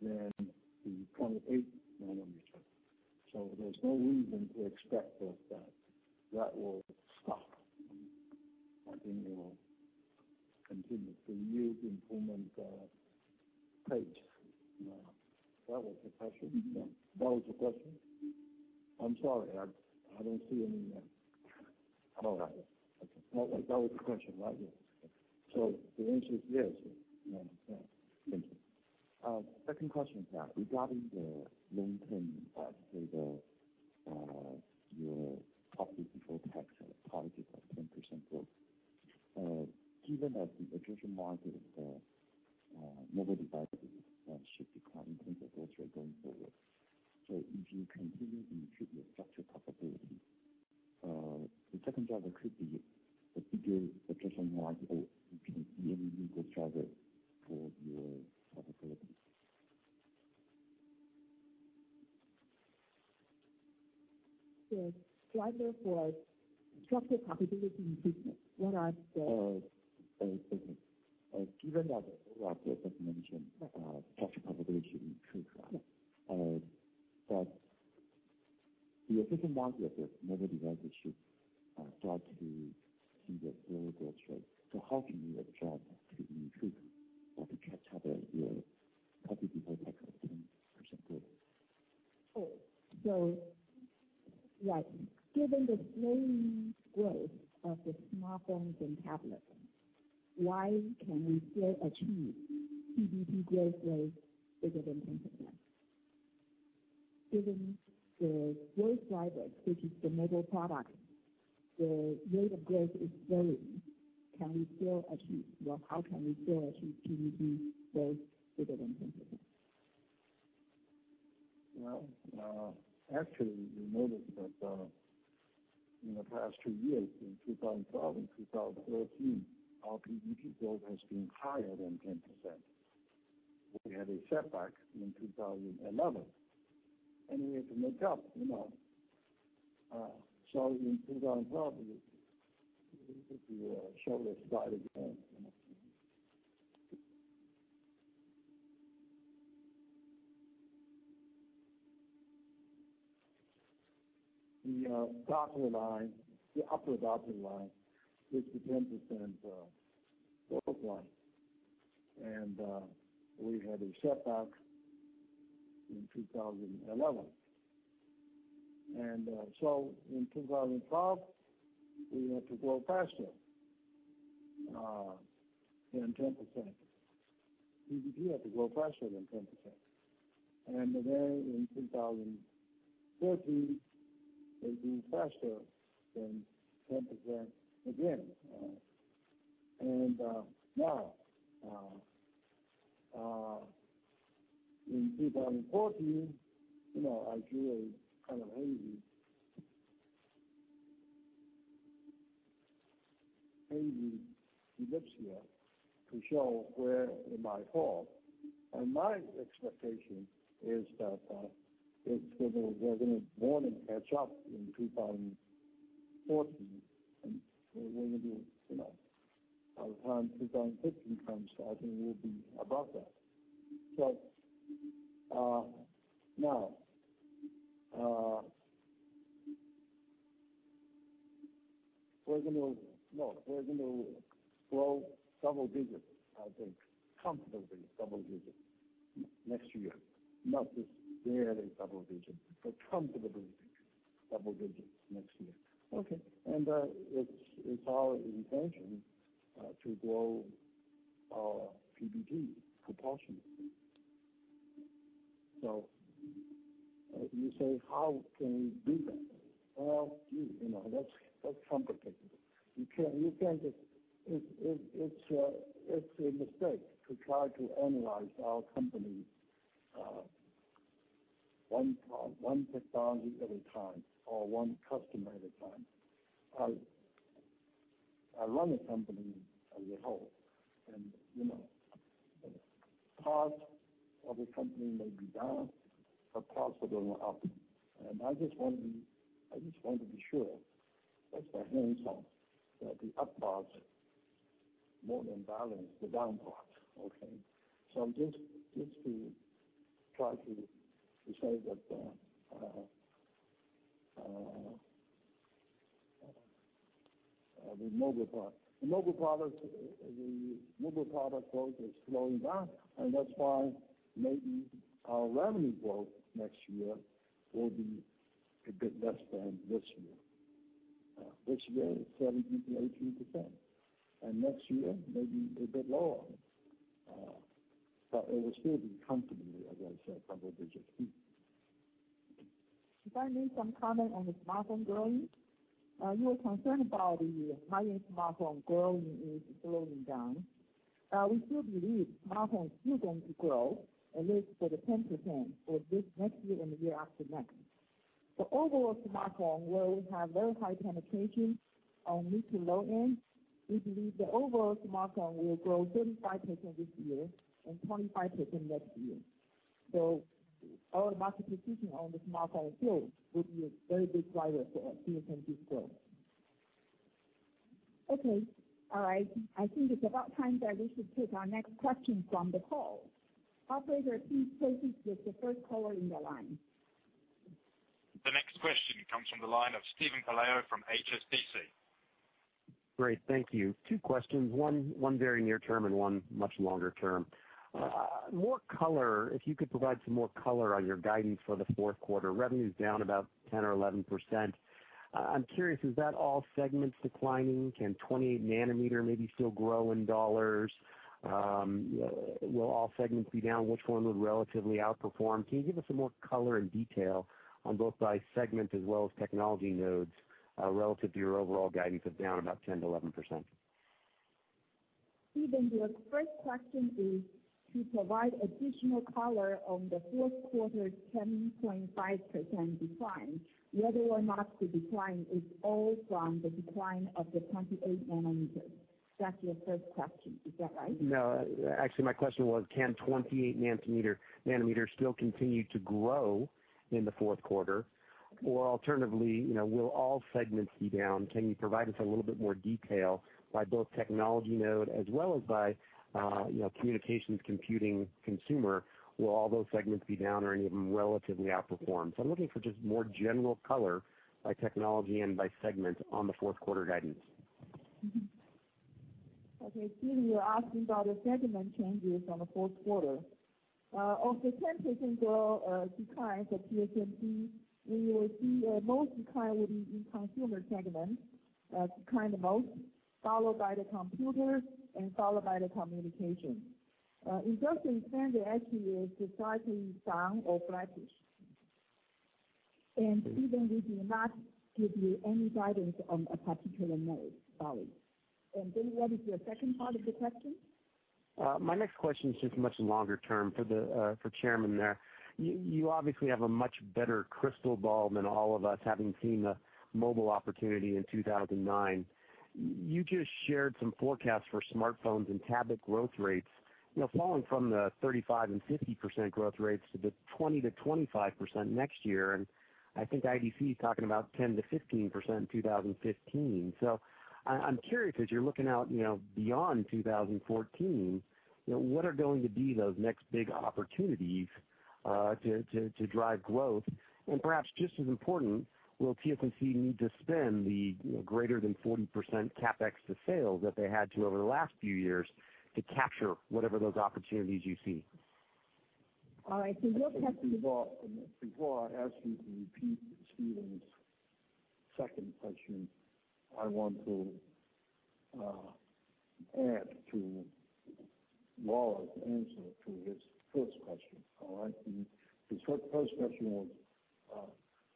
than the 28-nanometer. There's no reason to expect that that will stop. I think it will continue the year-over-year improvement pace. That was the question? That was the question? I'm sorry, I don't see any. How about that one? Okay. That was the question, right? Yes. Okay. The answer is yes. Thank you. Second question is that regarding the long-term, let's say, your profit before tax policy of 10% growth. Given that the gross margin of the mobile devices should decline in terms of growth rate going forward. If you continue to improve your structural profitability, the second driver could be a bigger gross margin or it can be a lever driver for your profitability. The driver for structure profitability improvement, what are the- Given that overall growth, as you mentioned, structure profitability should improve. Yes. The [inaudible] of the mobile devices should start to see the lower growth rate. How can you absorb this new truth while you try to have your profit before tax of 10% growth? Given the slowing growth of the smartphones and tablets, why can we still achieve PBT growth rate bigger than 10%? Given the growth drivers, which is the mobile product, the rate of growth is slowing. How can we still achieve PBT growth bigger than 10%? Actually, you noted that in the past two years, in 2012 and 2013, our PBT growth has been higher than 10%. We had a setback in 2011, we had to make up. In 2012, we showed a slide again. The dotted line, the upper dotted line, is the 10% growth line. We had a setback in 2011. In 2012, we had to grow faster than 10%. PBT had to grow faster than 10%. In 2014, it grew faster than 10% again. Now, in 2014, I drew a kind of hazy ellipse here to show where it might fall. My expectation is that we're going to more than catch up in 2014, and we're going to do, by the time 2015 comes, I think we'll be above that. Now we're going to grow double digits, I think. Comfortably double digits next year. Not just barely double digits, but comfortably double digits next year. Okay. It's our intention to grow our PBT proportionally. You say, how can we do that? Well, gee, that's complicated. It's a mistake to try to analyze our company one technology at a time, or one customer at a time. I run a company as a whole, and part of a company may be down, but parts are going up. I just want to be sure, that's my hang-up, that the up parts more than balance the down parts. Okay? I'm just trying to say that the mobile product growth is slowing down, and that's why maybe our revenue growth next year will be a bit less than this year. This year, it's 17%-18%, and next year may be a bit lower. It will still be comfortably, as I said, double digits. If I may, some comment on the smartphone growing. You are concerned about the high-end smartphone growing is slowing down. We still believe smartphones still going to grow, at least for the 10% for this next year and the year after next. The overall smartphone will have very high penetration on mid to low end. We believe the overall smartphone will grow 35% this year and 25% next year. Our market position on the smartphone field will be a very big driver for TSMC's growth. Okay. All right. I think it's about time that we should take our next question from the call. Operator, please proceed with the first caller in the line. The next question comes from the line of Steven Pelayo from HSBC. Great, thank you. Two questions, one very near term and one much longer term. If you could provide some more color on your guidance for the fourth quarter. Revenue's down about 10% or 11%. I'm curious, is that all segments declining? Can 28-nanometer maybe still grow in TWD? Will all segments be down? Which one would relatively outperform? Can you give us some more color and detail on both by segment as well as technology nodes, relative to your overall guidance of down about 10%-11%? Steven, your first question is to provide additional color on the fourth quarter's 10.5% decline, whether or not the decline is all from the decline of the 28-nanometer. That's your first question, is that right? No. Actually, my question was, can 28-nanometer still continue to grow in the fourth quarter? Alternatively, will all segments be down? Can you provide us a little bit more detail by both technology node as well as by communications, computing, consumer? Will all those segments be down or any of them relatively outperform? I'm looking for just more general color by technology and by segment on the fourth quarter guidance. Okay. Steven, you're asking about the segment changes on the fourth quarter. Of the 10% growth decline for TSMC, we will see most decline will be in consumer segment, decline the most, followed by the computer and followed by the communication. In dollar terms, it actually is slightly down or flattish. Steven, we do not give you any guidance on a particular node, sorry. What is your second part of the question? My next question is just much longer term for Chairman there. You obviously have a much better crystal ball than all of us, having seen the mobile opportunity in 2009. You just shared some forecasts for smartphones and tablet growth rates, falling from the 35% and 50% growth rates to the 20%-25% next year, and I think IDC is talking about 10%-15% in 2015. I'm curious, as you're looking out beyond 2014, what are going to be those next big opportunities to drive growth? Perhaps just as important, will TSMC need to spend the greater than 40% CapEx to sales that they had to over the last few years to capture whatever those opportunities you see? All right, your question. Before I ask you to repeat Steven's second question, I want to add to Lora's answer to his first question. All right? His first question was whether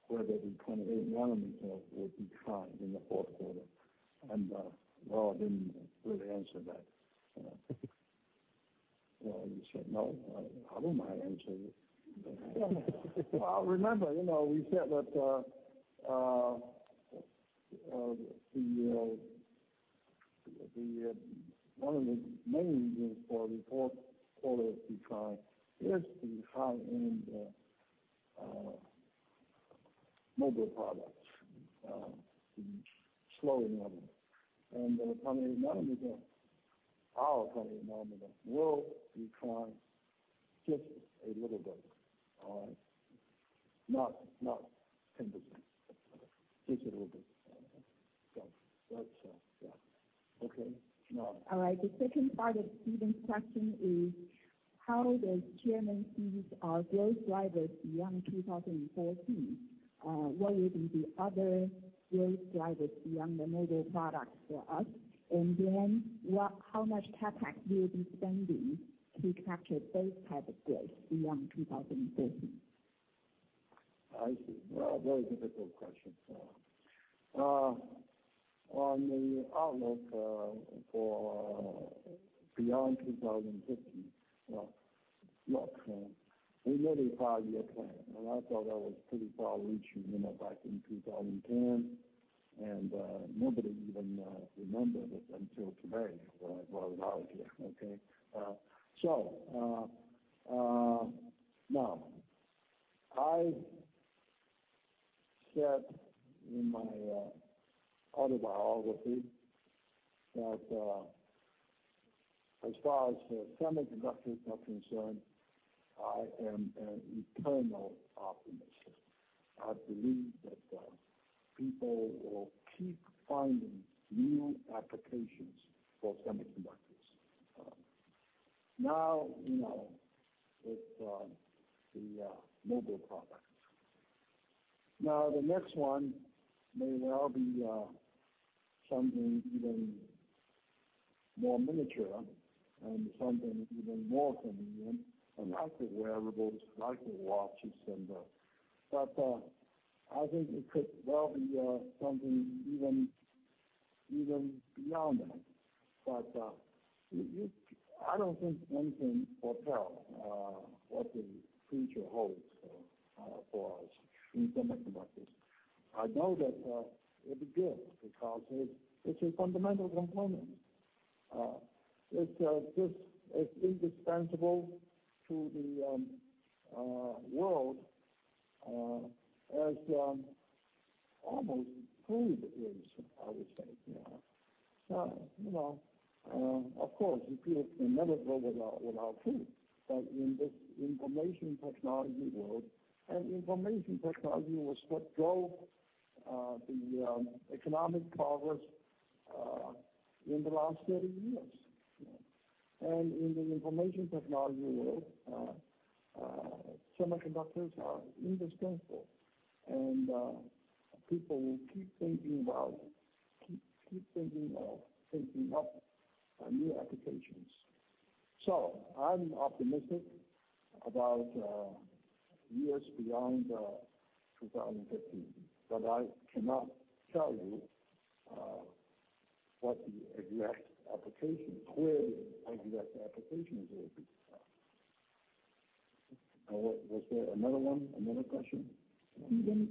the 28-nanometer will decline in the fourth quarter, Lora didn't really answer that. Lora just said, "No." How am I answer it? Well, remember, we said that one of the main reasons for the fourth quarter decline is the high end mobile products, the slower growth. The 28-nanometer, our 28-nanometer, will decline just a little bit. All right? Not 10%. Just a little bit. Yeah. Okay. The second part of Steven's question is how the Chairman sees our growth drivers beyond 2015. What will be the other growth drivers beyond the mobile products for us? How much CapEx will you be spending to capture those type of growth beyond 2015? I see. Very difficult question on the outlook for beyond 2015. We made a five-year plan, I thought that was pretty far-reaching back in 2010, nobody even remembered it until today when I brought it out here. Okay. I said in my autobiography that as far as semiconductors are concerned, I am an eternal optimist. I believe that people will keep finding new applications for semiconductors. With the mobile products, the next one may well be something even more miniature and something even more convenient, like the wearables, like the watches. I think it could well be something even beyond that. I don't think one can foretell what the future holds for us in semiconductors. I know that it is good because it's a fundamental component. It's indispensable to the world, as almost food is, I would say. Of course, you cannot go without food. In this information technology world, information technology was what drove the economic progress in the last 30 years. In the information technology world, semiconductors are indispensable, people will keep thinking about it, keep thinking of thinking up new applications. I'm optimistic about years beyond 2015, I cannot tell you what the exact application, where the exact applications will be. Was there another one, another question? Steven,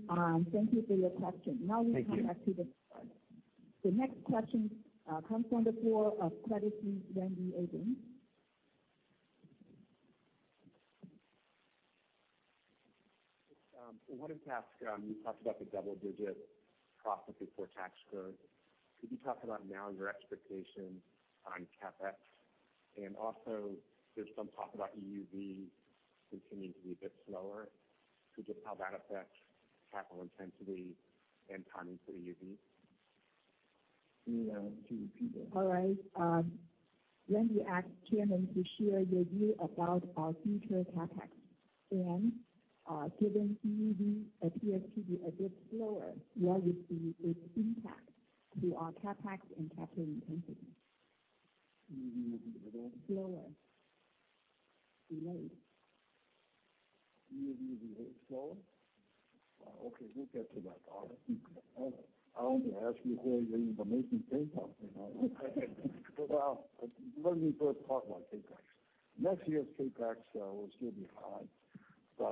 thank you for your question. Thank you. Now we come back to the next question comes from the floor of Credit Suisse, Randy Abrams. I wanted to ask, you talked about the double-digit profit before tax growth. Could you talk about now your expectations on CapEx? Also, there's some talk about EUV continuing to be a bit slower, could you tell how that affects capital intensity and timing for EUV? [Can you repeat that]? All right. Randy asked Chairman to share your view about our future CapEx. Given EUV appears to be a bit slower, what would be its impact to our CapEx and capital intensity? EUV what? Slower. Delayed. EUV delayed, slower? Okay, we'll get to that. I want to ask you for the information takeout. Well, let me first talk about CapEx. Next year's CapEx will still be high,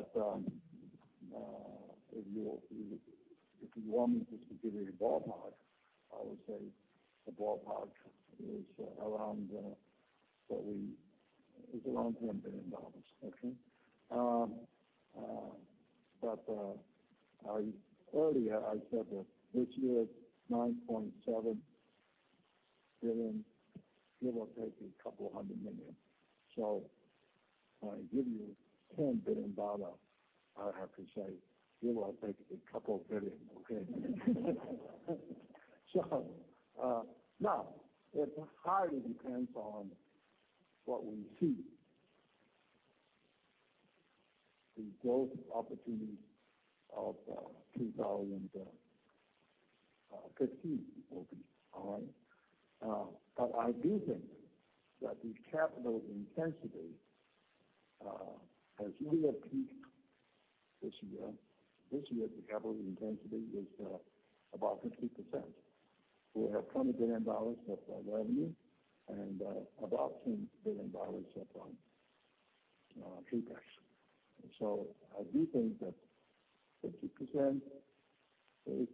if you want me just to give you a ballpark, I would say the ballpark is around $10 billion, okay. Earlier, I said that this year, $9.7 billion, give or take a couple of hundred million. If I give you $10 billion, I have to say, give or take a couple billion, okay? Now, it highly depends on what we see the growth opportunity of 2015 will be. All right. I do think that the capital intensity has really peaked this year. This year, the capital intensity is about 50%. We have $20 billion of revenue and about $10 billion of CapEx. I do think that 50% is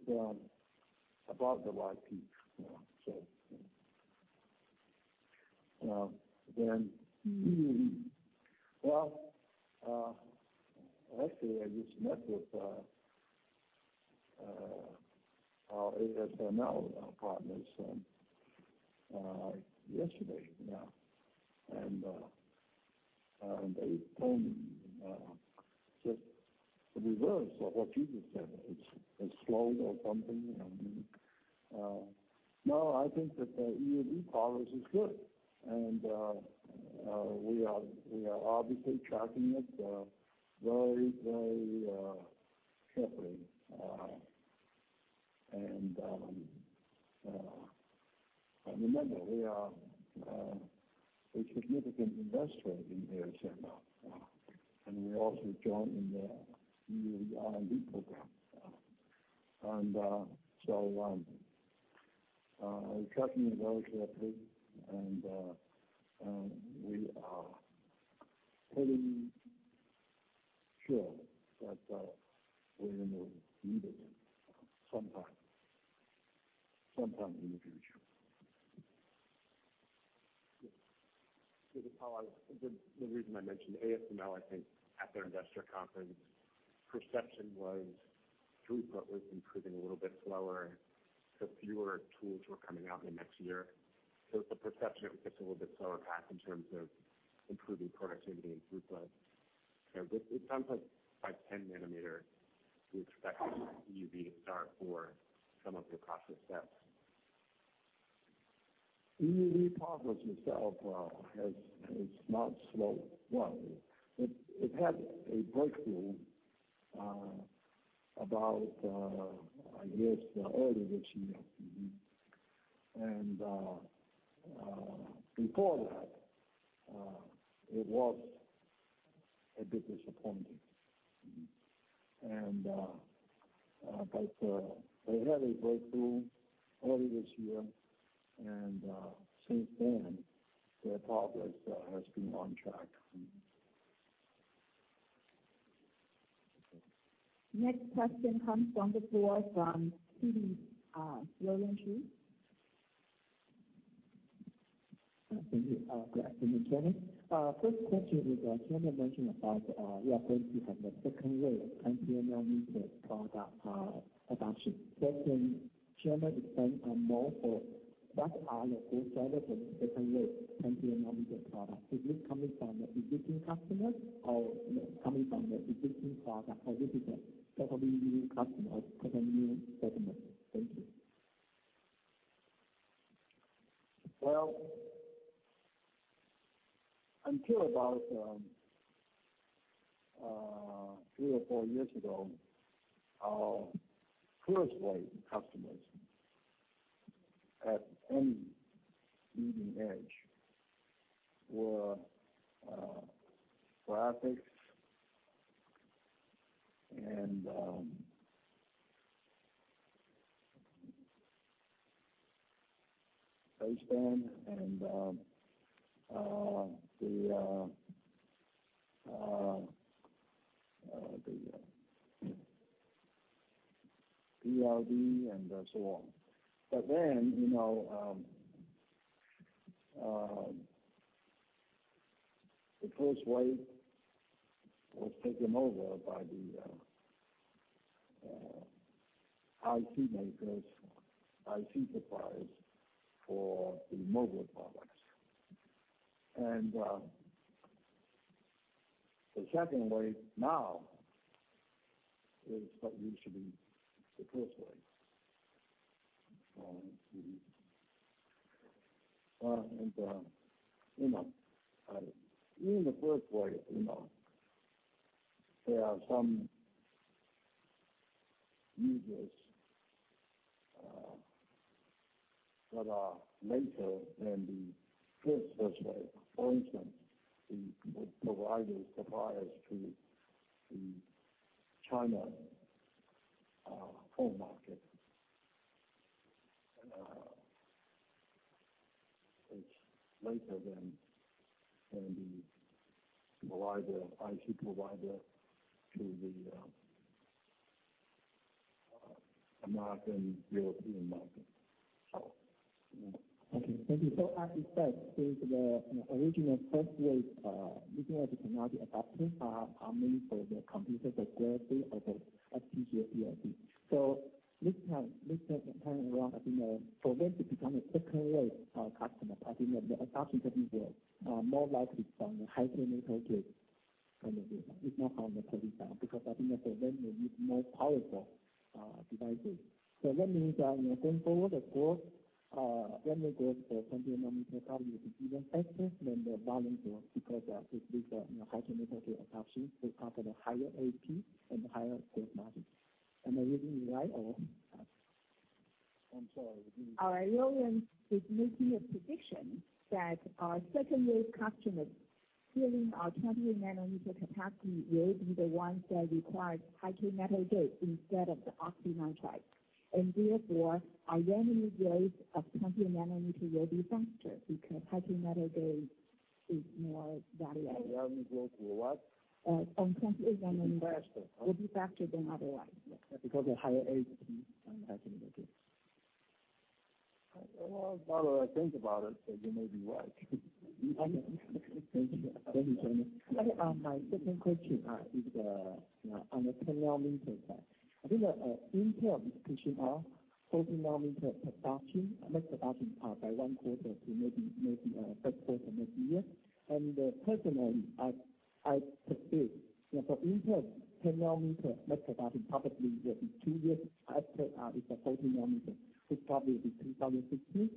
about the wide peak. Well, actually, I just met with our ASML partners yesterday. They told me just the reverse of what you just said. It's slow or something. No, I think that the EUV progress is good, and we are obviously tracking it very carefully. Remember, we are a significant investor in ASML, and we also join in their EUV R&D program. We're tracking it very carefully, and we are pretty sure that we will need it sometime in the future. This is Paul. The reason I mentioned ASML, I think, at their investor conference, perception was throughput was improving a little bit slower because fewer tools were coming out in next year. It's the perception it would get a little bit slower path in terms of improving productivity and throughput. It sounds like by 10-nanometer, you expect EUV to start for some of your process steps. EUV progress itself has not slowed. It had a breakthrough about, I guess, early this year. Before that, it was a bit disappointing. They had a breakthrough early this year, and since then, their progress has been on track. Next question comes from the floor from Citigroup, Roland Shu. Thank you. Good afternoon, Chairman. First question is, Chairman mentioned about you are going to have the second wave of 20-nanometer product adoption. Can Chairman explain more for that? Are your first set of second wave 20-nanometer product, is this coming from the existing customers or coming from the existing product? Or this is a totally new customer or totally new segment? Thank you. Well, until about three or four years ago, our first-wave customers at any leading edge were graphics and baseband and the DRD and so on. The first wave was taken over by the IC makers, IC suppliers for the mobile products. The second wave now is what used to be the first wave. In the first wave, there are some users that are later than the first wave. For instance, the providers, suppliers to the China phone market. It's later than the IC provider to the American, European market. Okay. Thank you. As you said, since the original first wave leading-edge technology adapters are mainly for the computers like Galaxy or the [PGD]. This time around, I think for this to become a second wave customer, I think that the adoption curve is more likely from the high-k metal gate point of view. It's not from the poly-Si, because I think that they will need more powerful devices. That means that going forward, of course, when they go for 20-nanometer, probably it is even faster than the volume growth because with this high-k metal gate adoption, they come with a higher ASP and higher cost margin. Am I reading it right, or? I'm sorry, repeat. All right. Roland is making a prediction that our 20 nanometer capacity will be the ones that require high-k metal gate instead of the oxynitride. Therefore, our revenue growth of 20 nanometer will be faster because high-k metal gate is more valuable. Revenue growth will what? On 20 nanometer. Will be faster. will be faster than otherwise. Yes. Because of higher ASP on high-k metal gate. Well, now that I think about it, you may be right. Thank you, Chairman. My second question is on the 10-nanometer chip. Personally, I perceive Intel's 10-nanometer mass production probably will be two years after its 14-nanometer, which probably will be 2016.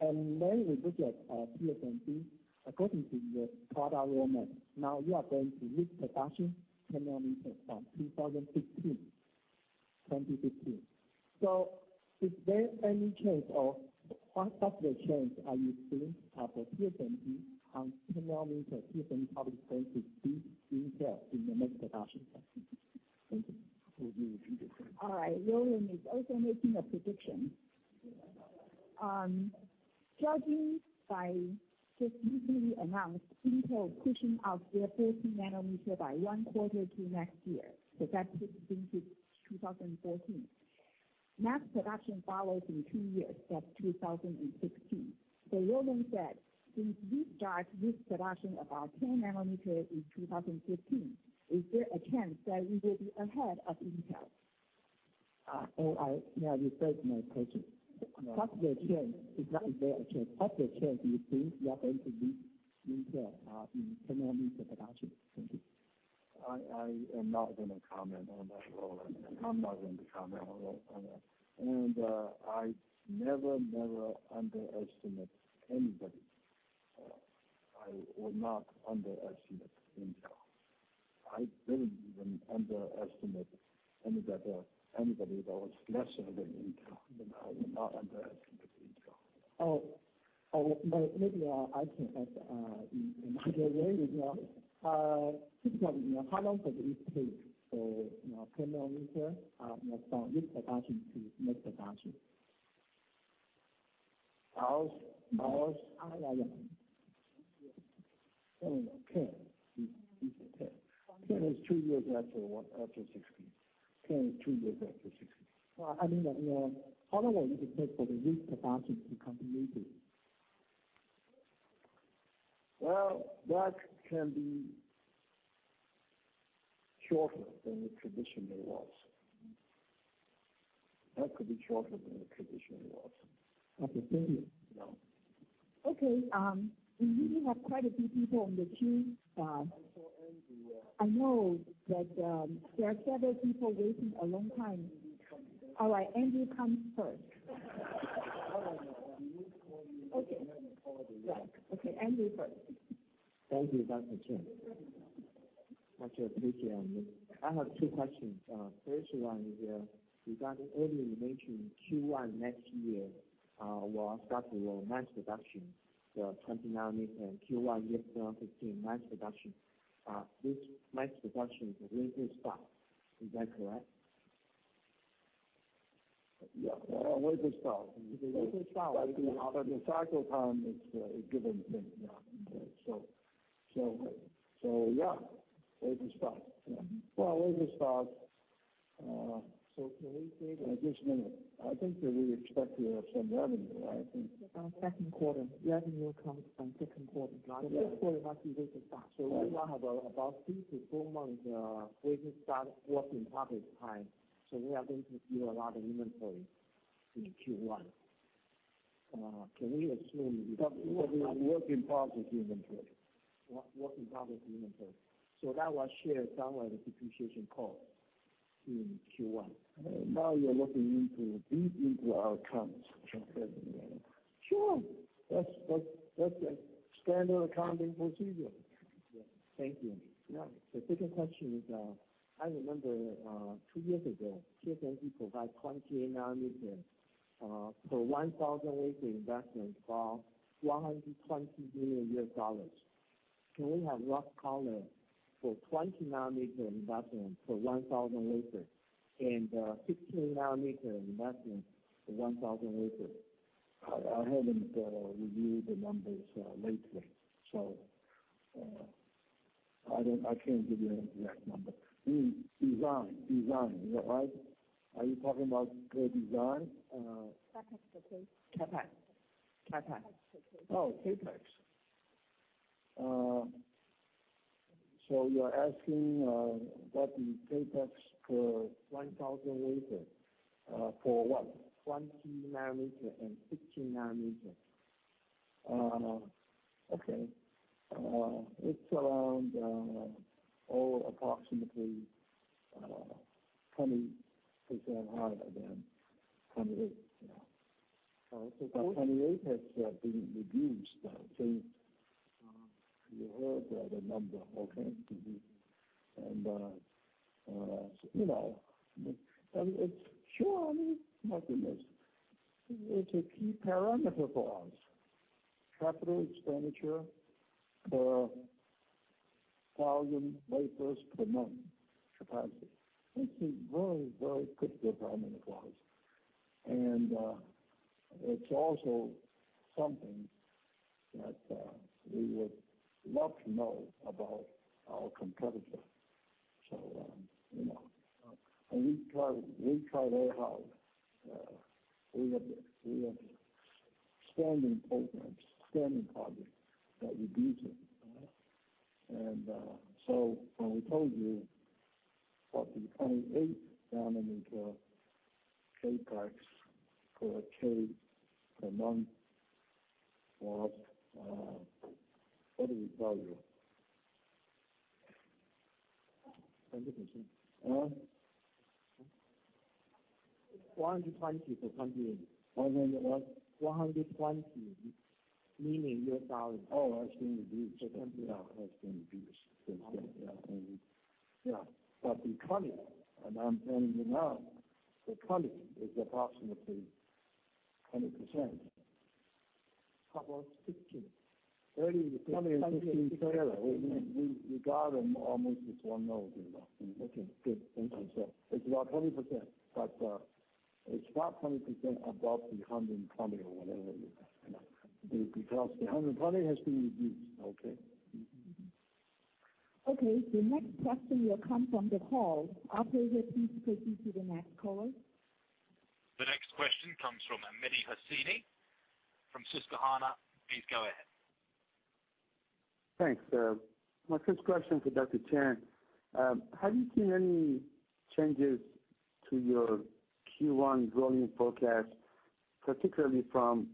We look at TSMC, according to your product roadmap, now you are going to reach production 10-nanometer from 2015. Is there any chance, or what is the chance are you seeing for TSMC on 10-nanometer? TSMC probably going to beat Intel in the next production cycle. Thank you. Would you repeat the question? All right. Roland is also making a prediction. Judging by just recently announced Intel pushing out their 14-nanometer by one quarter to next year. That's 2014. Mass production follows in two years, that's 2016. Roland said, since we start this production about 10-nanometer in 2015, is there a chance that we will be ahead of Intel? Yeah, you heard my question. What's the chance, if not is there a chance, what's the chance do you think we are going to beat Intel in 10-nanometer production? Thank you. I am not going to comment on that, Roland. I'm not going to comment on that. I never underestimate anybody, I will not underestimate Intel. I didn't even underestimate any of the others, anybody that was lesser than Intel, I will not underestimate Intel. Maybe I can ask in another way. Two questions, how long does it take for 10-nanometer from this production to next production? Ours? Yeah. 10. Okay. It's a 10. 10 is two years after what? After 16. 10 is two years after 16. How long does it take for the risk production to come to market? Well, that can be shorter than it traditionally was. That could be shorter than it traditionally was. Okay. Thank you. You know. Okay. We do have quite a few people in the queue. I saw Andy. I know that there are several people waiting a long time. All right. Andy comes first. All right. You call me- Okay. You call me when- Yeah. Okay, Andy first. Thank you, Dr. Chang. Much appreciated. I have two questions. First one is regarding earlier you mentioned Q1 next year will start your mass production, the 20-nanometer Q1 2015 mass production. This mass production is wafer start. Is that correct? Yeah. Wafer start. Wafer start. The cycle time is given then, yeah. Yeah. Wafer start. Well, wafer start. Can we say At this minute, I think that we expect to have some revenue, I think. Second quarter. Revenue comes from second quarter. Yeah. The first quarter has to be wafer start. We now have about 3-4 months wafer start, work-in-progress time. We are going to build a lot of inventory in Q1. Can we assume- Work-in-progress inventory. Work-in-progress inventory. That will share some of the depreciation cost in Q1. You're looking into deep into our accounts, aren't you? Sure. That's a standard accounting procedure. Yeah. Thank you. Yeah. The second question is, I remember two years ago, TSMC provide 20-nanometer for 1,000 wafer investment for 120 million dollars. Can we have rough number for 20-nanometer investment for 1,000 wafer and 15-nanometer investment for 1,000 wafer? I haven't reviewed the numbers lately, I can't give you an exact number. Design. Is that right? Are you talking about the design? CAPEX, please. CAPEX. CAPEX. CAPEX, please. Oh, CAPEX. You're asking what is CAPEX per 1,000 wafer. For what? 20-nanometer and 15-nanometer. Okay. It's around or approximately 20% higher than 28, yeah. Oh, okay. 28 has been reduced, I think you heard the number. Okay. Sure. I mean, it's a key parameter for us. Capital expenditure per 1,000 wafers per month capacity. It's a very, very critical parameter for us. It's also something that we would love to know about our competitor. You know. We tried very hard. We have a standing program, a standing project that we're using. When we told you about the 28-nanometer CapEx for a K per month was What did we tell you? 20%. Huh? 420 for 20. Oh, it was. 420, meaning year 1,000. Oh, that's been reduced. 20-nanometer has been reduced since then, Yeah. Yeah. The costing, and I'm saying the noun, the costing is approximately 20%. How about 16? 30 is- 20 and 16 together. We got them almost as one node, you know. Okay, good. Thank you. It's about 20%, but it's not 20% above the 120 or whatever it is because the 120 has been reduced. Okay. Okay, the next question will come from the call. Operator, please proceed to the next caller. The next question comes from Mehdi Hosseini from Susquehanna. Please go ahead. Thanks. My first question to Dr. Chang. Have you seen any changes to your Q1 volume forecast, particularly from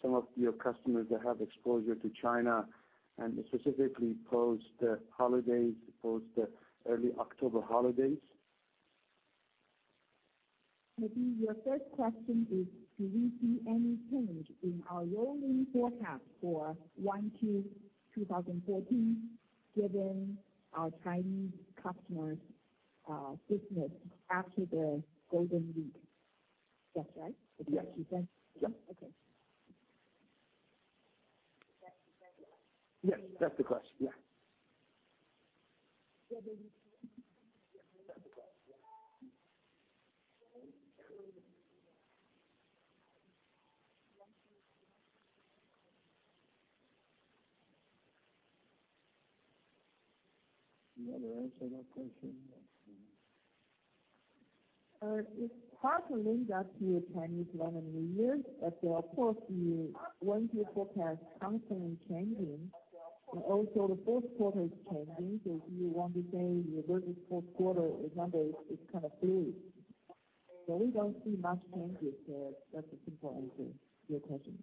some of your customers that have exposure to China, and specifically post the early October holidays? Mehdi, your first question is, do we see any change in our rolling forecast for Q1 2014, given our Chinese customers' business after the Golden Week? That's right? Yes. Okay. Yes, that's the question. Yeah. Yeah, Mehdi. That's the question. You want to answer that question? It's partly linked up to Chinese Lunar New Year. Of course, the one-year forecast constantly changing, and also the fourth quarter is changing. If you want to say your fourth quarter example, it's kind of fluid. We don't see much changes there. That's the simple answer to your question.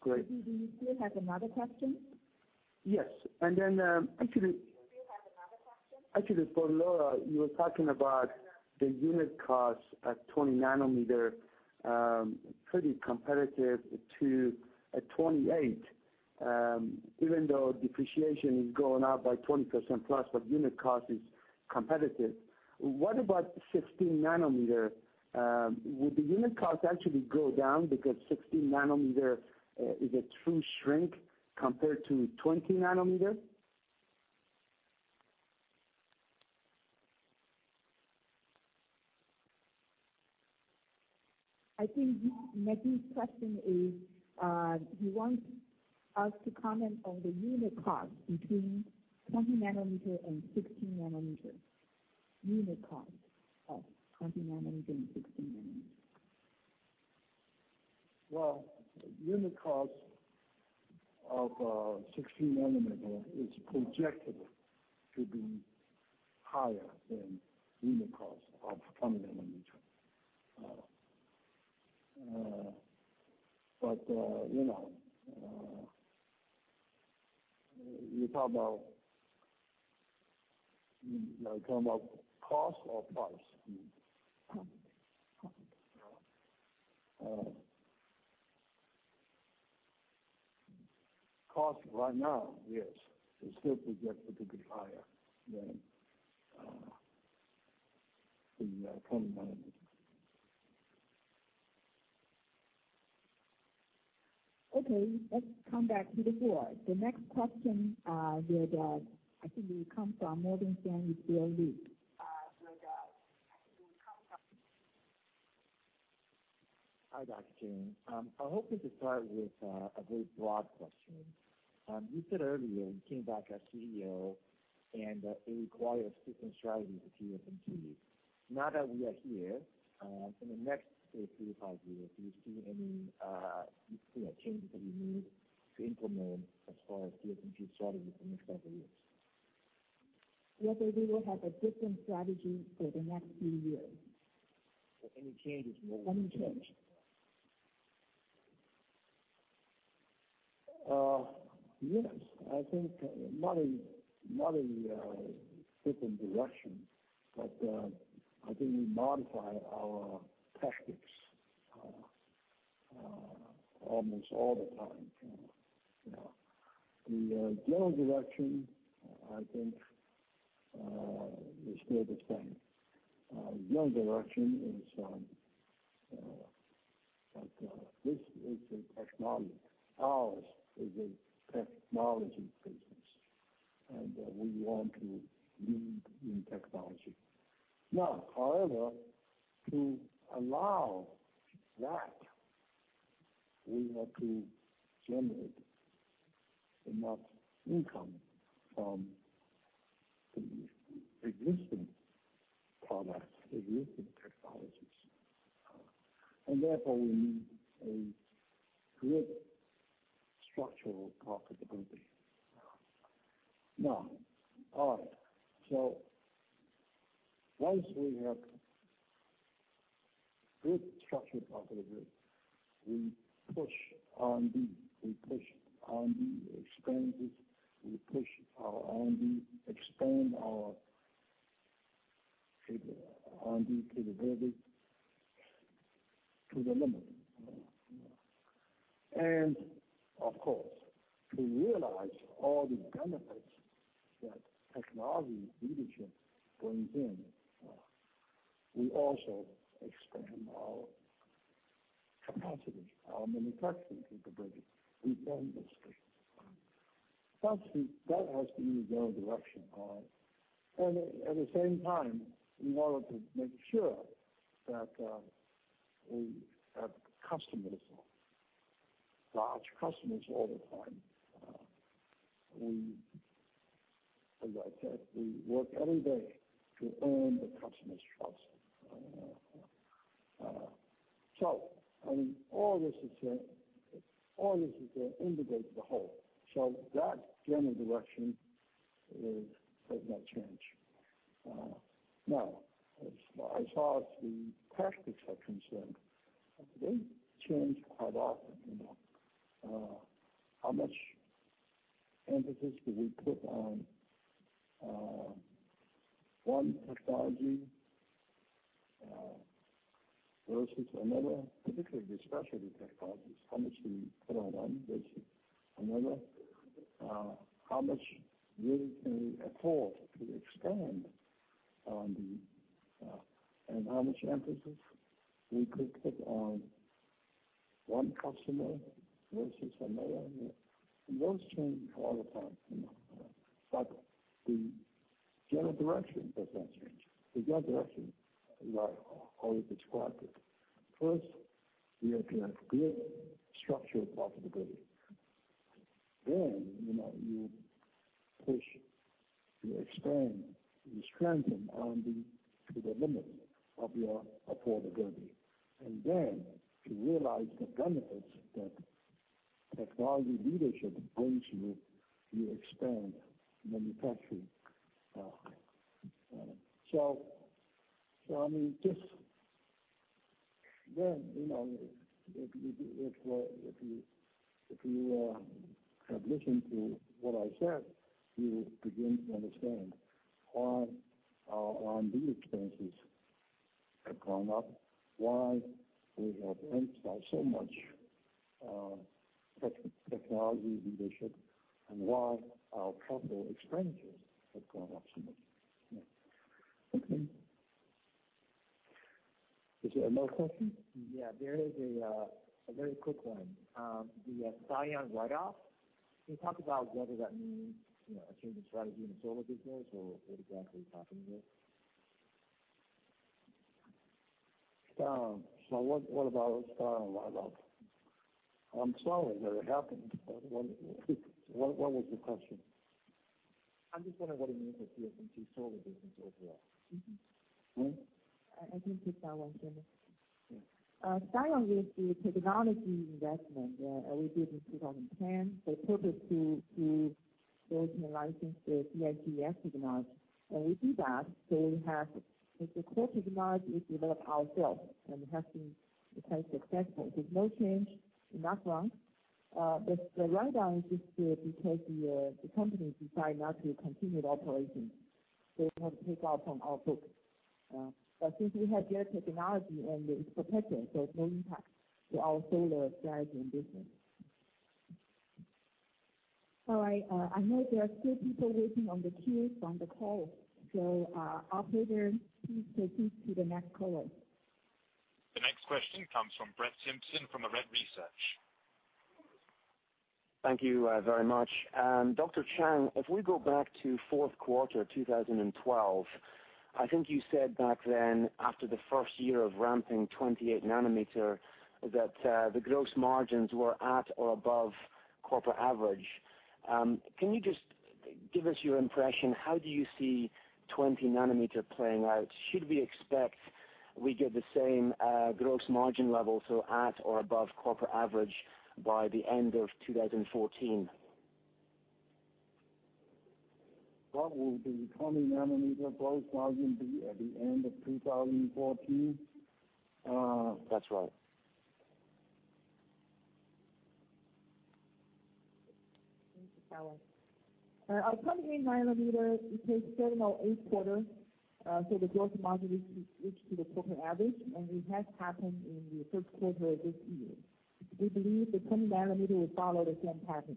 Great. Mehdi, do you still have another question? Yes. Do you have another question? Actually, for Lora, you were talking about the unit cost at 20-nanometer, pretty competitive to a 28, even though depreciation is going up by 20% plus, but unit cost is competitive. What about 16-nanometer? Would the unit cost actually go down because 16-nanometer is a true shrink compared to 20-nanometer? I think Mehdi's question is, he wants us to comment on the unit cost between 20-nanometer and 16-nanometer. Unit cost of 20-nanometer and 16-nanometer. Well, unit cost of 16-nanometer is projected to be higher than unit cost of 20-nanometer. You talk about cost or price? Cost. Cost right now, yes. It's still projected to be higher than the 20-nanometer. Okay, let's come back to the floor. The next question I think it will come from Morgan Stanley's Bill Lu. Hi, Dr. Chang. I'm hoping to start with a very broad question. You said earlier you came back as CEO, and it required a different strategy for TSMC. Now that we are here, in the next three to five years, do you see any changes that you need to implement as far as TSMC strategy for the next several years? Whether we will have a different strategy for the next few years. Any changes? Any change. Yes. I think not a different direction, but I think we modify our tactics almost all the time. The general direction, I think, is still the same. General direction is this is a technology. Ours is a technology business, we want in technology. However, to allow that, we have to generate enough income from the existing products, existing technologies. Therefore, we need a good structural profitability. All right. Once we have good structural profitability, we push R&D. We push R&D expenses, we push our R&D, expand our R&D capabilities to the limit. Of course, to realize all the benefits that technology leadership brings in, we also expand our capacity, our manufacturing capabilities. We expand those things. That has to be the general direction. At the same time, we wanted to make sure that we have large customers all the time. As I said, we work every day to earn the customer's trust. All this is integrated to the whole. That general direction has not changed. As far as the tactics are concerned, they change quite often. How much emphasis do we put on one technology versus another? Particularly the specialty technologies, how much do we put on one versus another? How much really can we afford to expand R&D, how much emphasis we could put on one customer versus another? Those change all the time. The general direction does not change. The general direction, like how we described it. First, we have to have good structural profitability. You push to expand, you strengthen R&D to the limit of your affordability. To realize the benefits that technology leadership brings you expand manufacturing. If you have listened to what I said, you will begin to understand why our R&D expenses have gone up, why we have emphasized so much technology leadership, and why our capital expenditures have gone up so much. Okay. Is there another question? Yeah. There is a very quick one. The Stion write-off, can you talk about whether that means a change in strategy in the solar business or what exactly is happening there? What about Stion write-off? I'm sorry that it happened, but what was the question? I'm just wondering what it means for TSMC's solar business overall. Amy? I can take that one, Jimmy. Okay. Stion was the technology investment that we did in 2010. The purpose to build and license the CIGS technology. When we do that, we have. It's a core technology we developed ourselves, and it has been quite successful. There's no change in that front. The write-down is just because the company decided not to continue the operation. We have to take off from our books. Since we have their technology and it's protected, it's no impact to our solar strategy and business. All right. I know there are still people waiting on the queues on the call. Operator, please proceed to the next caller. The next question comes from Brett Simpson from Arete Research. Thank you very much. Dr. Chang, if we go back to fourth quarter 2012, I think you said back then after the first year of ramping 28-nanometer, that the gross margins were at or above corporate average. Can you just give us your impression, how do you see 20-nanometer playing out? Should we expect we get the same gross margin level, at or above corporate average by the end of 2014? What will the 20-nanometer gross margin be at the end of 2014? That's right. Thank you, Allen. Our 28-nanometer, it takes seven or eight quarters, the gross margin reach to the corporate average, it has happened in the first quarter of this year. We believe the 20-nanometer will follow the same pattern.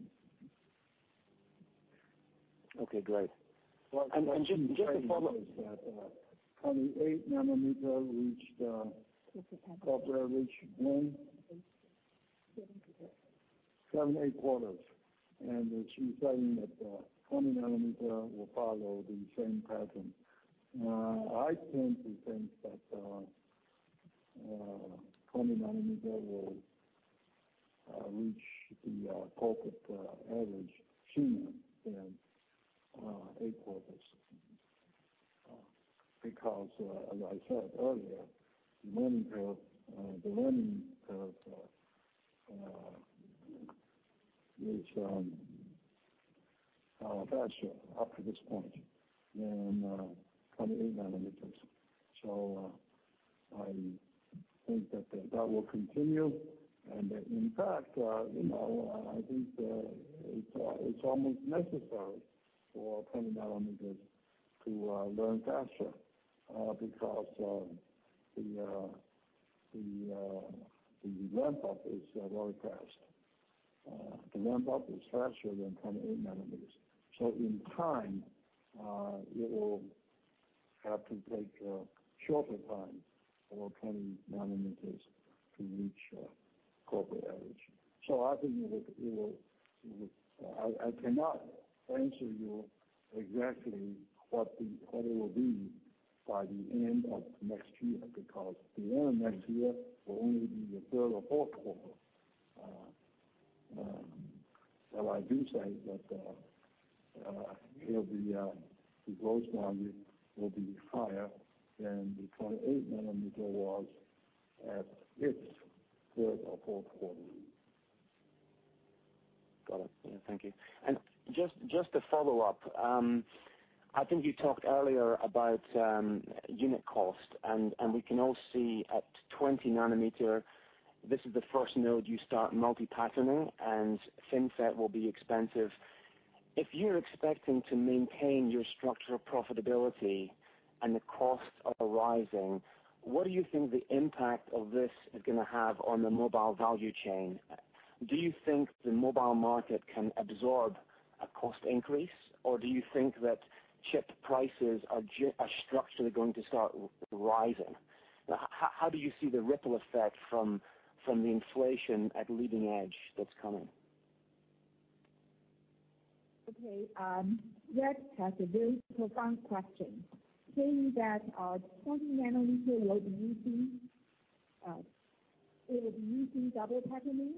Okay, great. Just to follow up. 28-nanometer reached. Corporate average corporate average when? Seven to eight. Seven, eight quarters. She's saying that the 20-nanometer will follow the same pattern. I tend to think that 20-nanometer will reach the corporate average sooner than eight quarters. As I said earlier, the learning curve is faster up to this point than 28-nanometer. I think that will continue, and in fact, I think it's almost necessary for 20-nanometer to learn faster because the ramp-up is very fast. The ramp-up is faster than 28-nanometer. In time, it will have to take a shorter time for 20-nanometer to reach corporate average. I think it will. I cannot answer you exactly what it will be by the end of next year, because the end of next year will only be the third or fourth quarter. I do say that the gross margin will be higher than the 28-nanometer was at its third or fourth quarter. Got it. Thank you. Just a follow-up. I think you talked earlier about unit cost. We can all see at 20-nanometer, this is the first node you start multi-patterning and FinFET will be expensive. If you're expecting to maintain your structural profitability and the costs are rising, what do you think the impact of this is going to have on the mobile value chain? Do you think the mobile market can absorb a cost increase, or do you think that chip prices are structurally going to start rising? How do you see the ripple effect from the inflation at leading edge that's coming? Okay. Rex has a very profound question, saying that 20-nanometer will be using double patterning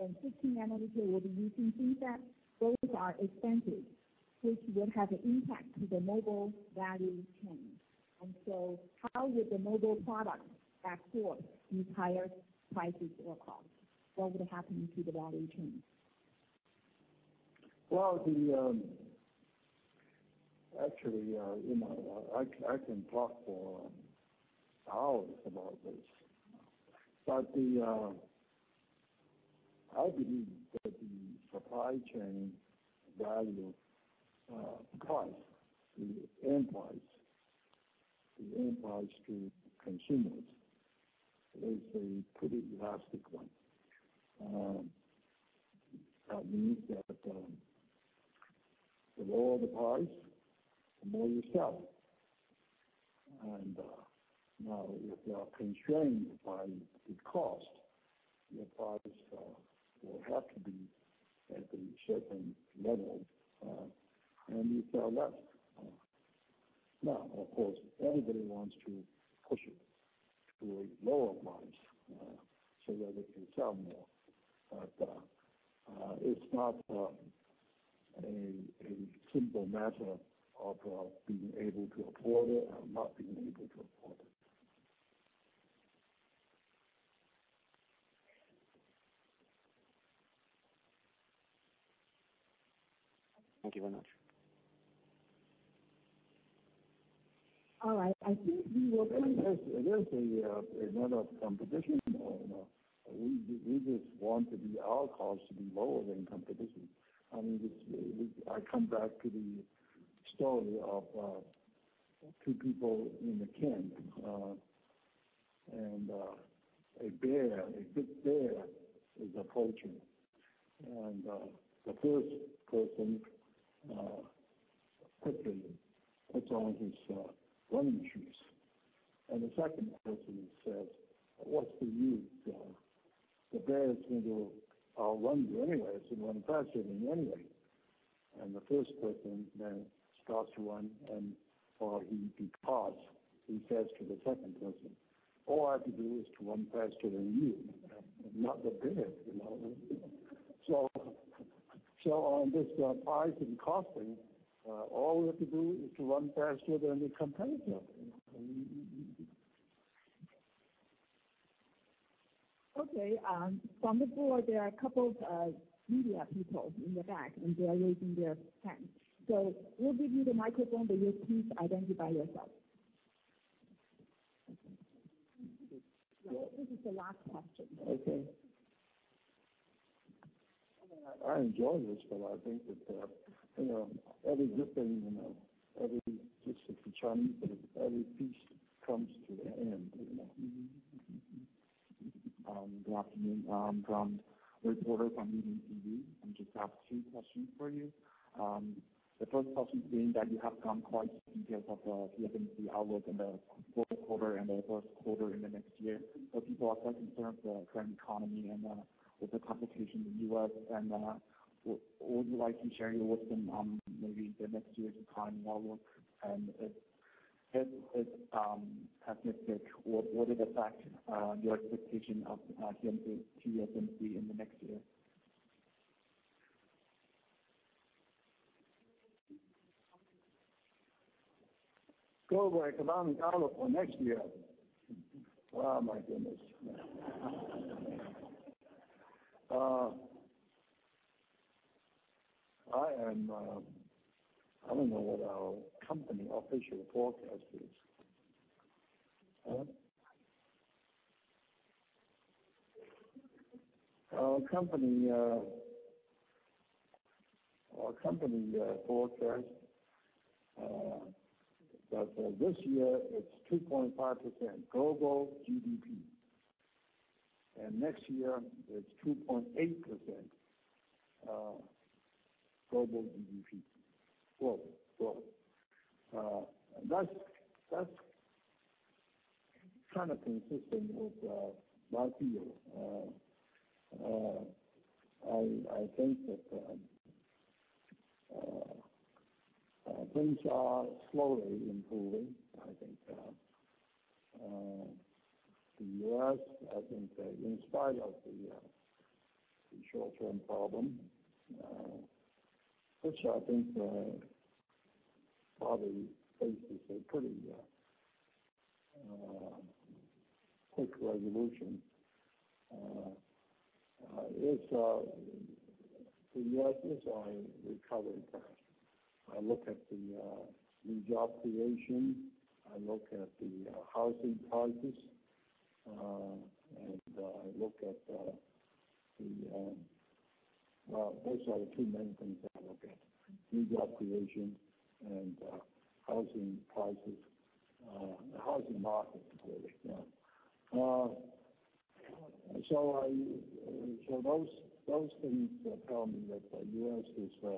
and 15-nanometer will be using FinFET. Those are expensive, which will have an impact to the mobile value chain. How will the mobile product, therefore, use higher prices or cost? What would happen to the value chain? Well, actually, I can talk for hours about this. I believe that the supply chain value price, the end price to consumers, is a pretty elastic one. That means that the lower the price, the more you sell. If you are constrained by the cost, your price will have to be at a certain level, and you sell less. Now, of course, everybody wants to push it to a lower price so that they can sell more. It's not a simple matter of being able to afford it or not being able to afford it. Thank you very much. All right. I think. There is a matter of competition. We just want our cost to be lower than competition. I come back to the story of two people in the camp, and a big bear is approaching. The first person quickly puts on his running shoes. The second person says, "What's the use? The bear is going to outrun you anyway. It's going to run faster than you anyway." The first person then starts to run, and before he departs, he says to the second person, "All I have to do is to run faster than you, not the bear." On this pricing costing, all we have to do is to run faster than the competitor. Okay. On the board, there are a couple of media people in the back, and they are raising their hands. We'll give you the microphone, but you please identify yourself. This is the last question. Okay. I enjoy this, but I think that every good thing, every piece comes to an end. Good afternoon. I'm from Reporter from Yiding TV. I just have two questions for you. The first question being that you have gone quite in depth of the TSMC outlook in the fourth quarter and the first quarter in the next year. People are quite concerned the current economy and with the complications in the U.S. Would you like to share your wisdom on maybe the next year's economy outlook, and if it's pessimistic, what would affect your expectation of TSMC in the next year? Global economic outlook for next year? Oh, my goodness. I don't know what our company official forecast is. Our company forecast that this year it's 2.5% global GDP, and next year it's 2.8% global GDP. Global. That's kind of consistent with my view. I think that things are slowly improving. I think the U.S., in spite of the short-term problem which I think probably faces a pretty quick resolution. The U.S. is on recovery path. I look at the new job creation, I look at the housing prices, those are the two main things I look at, new job creation and housing prices. The housing market really. Those things tell me that the U.S. is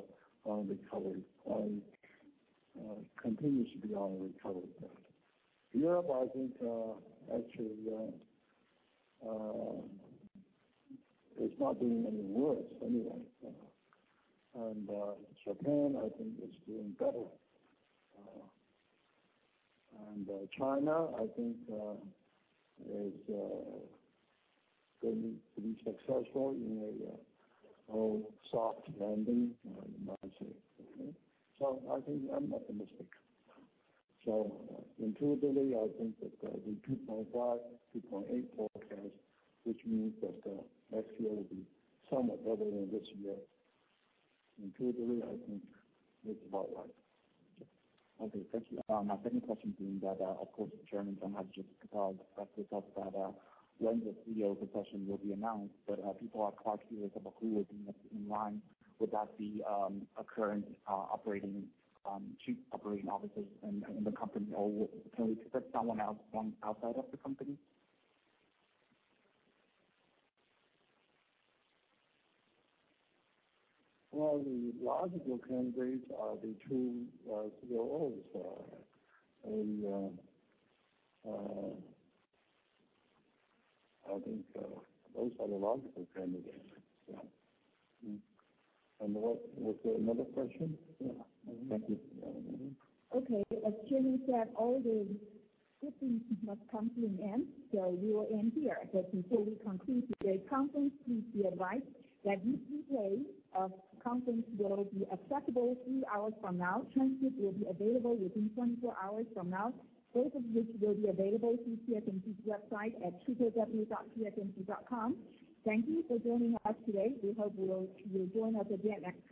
on recovery, continues to be on a recovery path. Europe, I think, actually is not doing any worse anyway. Japan, I think, is doing better. China, I think, is going to be successful in a soft landing, you might say. I think I'm optimistic. Intuitively, I think that the 2.5, 2.8 forecast, which means that next year will be somewhat better than this year. Intuitively, I think it's about right. Okay, thank you. My second question being that, of course, Chairman Chang has just talked briefly about when the CEO succession will be announced. People are quite curious about who would be in line. Would that be a current Chief Operating Officers in the company, or can we expect someone outside of the company? The logical candidates are the two COOs. I think those are the logical candidates, yeah. Was there another question? Yeah. Thank you. Okay. As Chairman said, all good things must come to an end, we will end here. Before we conclude today's conference, please be advised that replay of conference will be accessible three hours from now. Transcript will be available within 24 hours from now, both of which will be available through TSMC's website at www.tsmc.com. Thank you for joining us today. We hope you'll join us again next time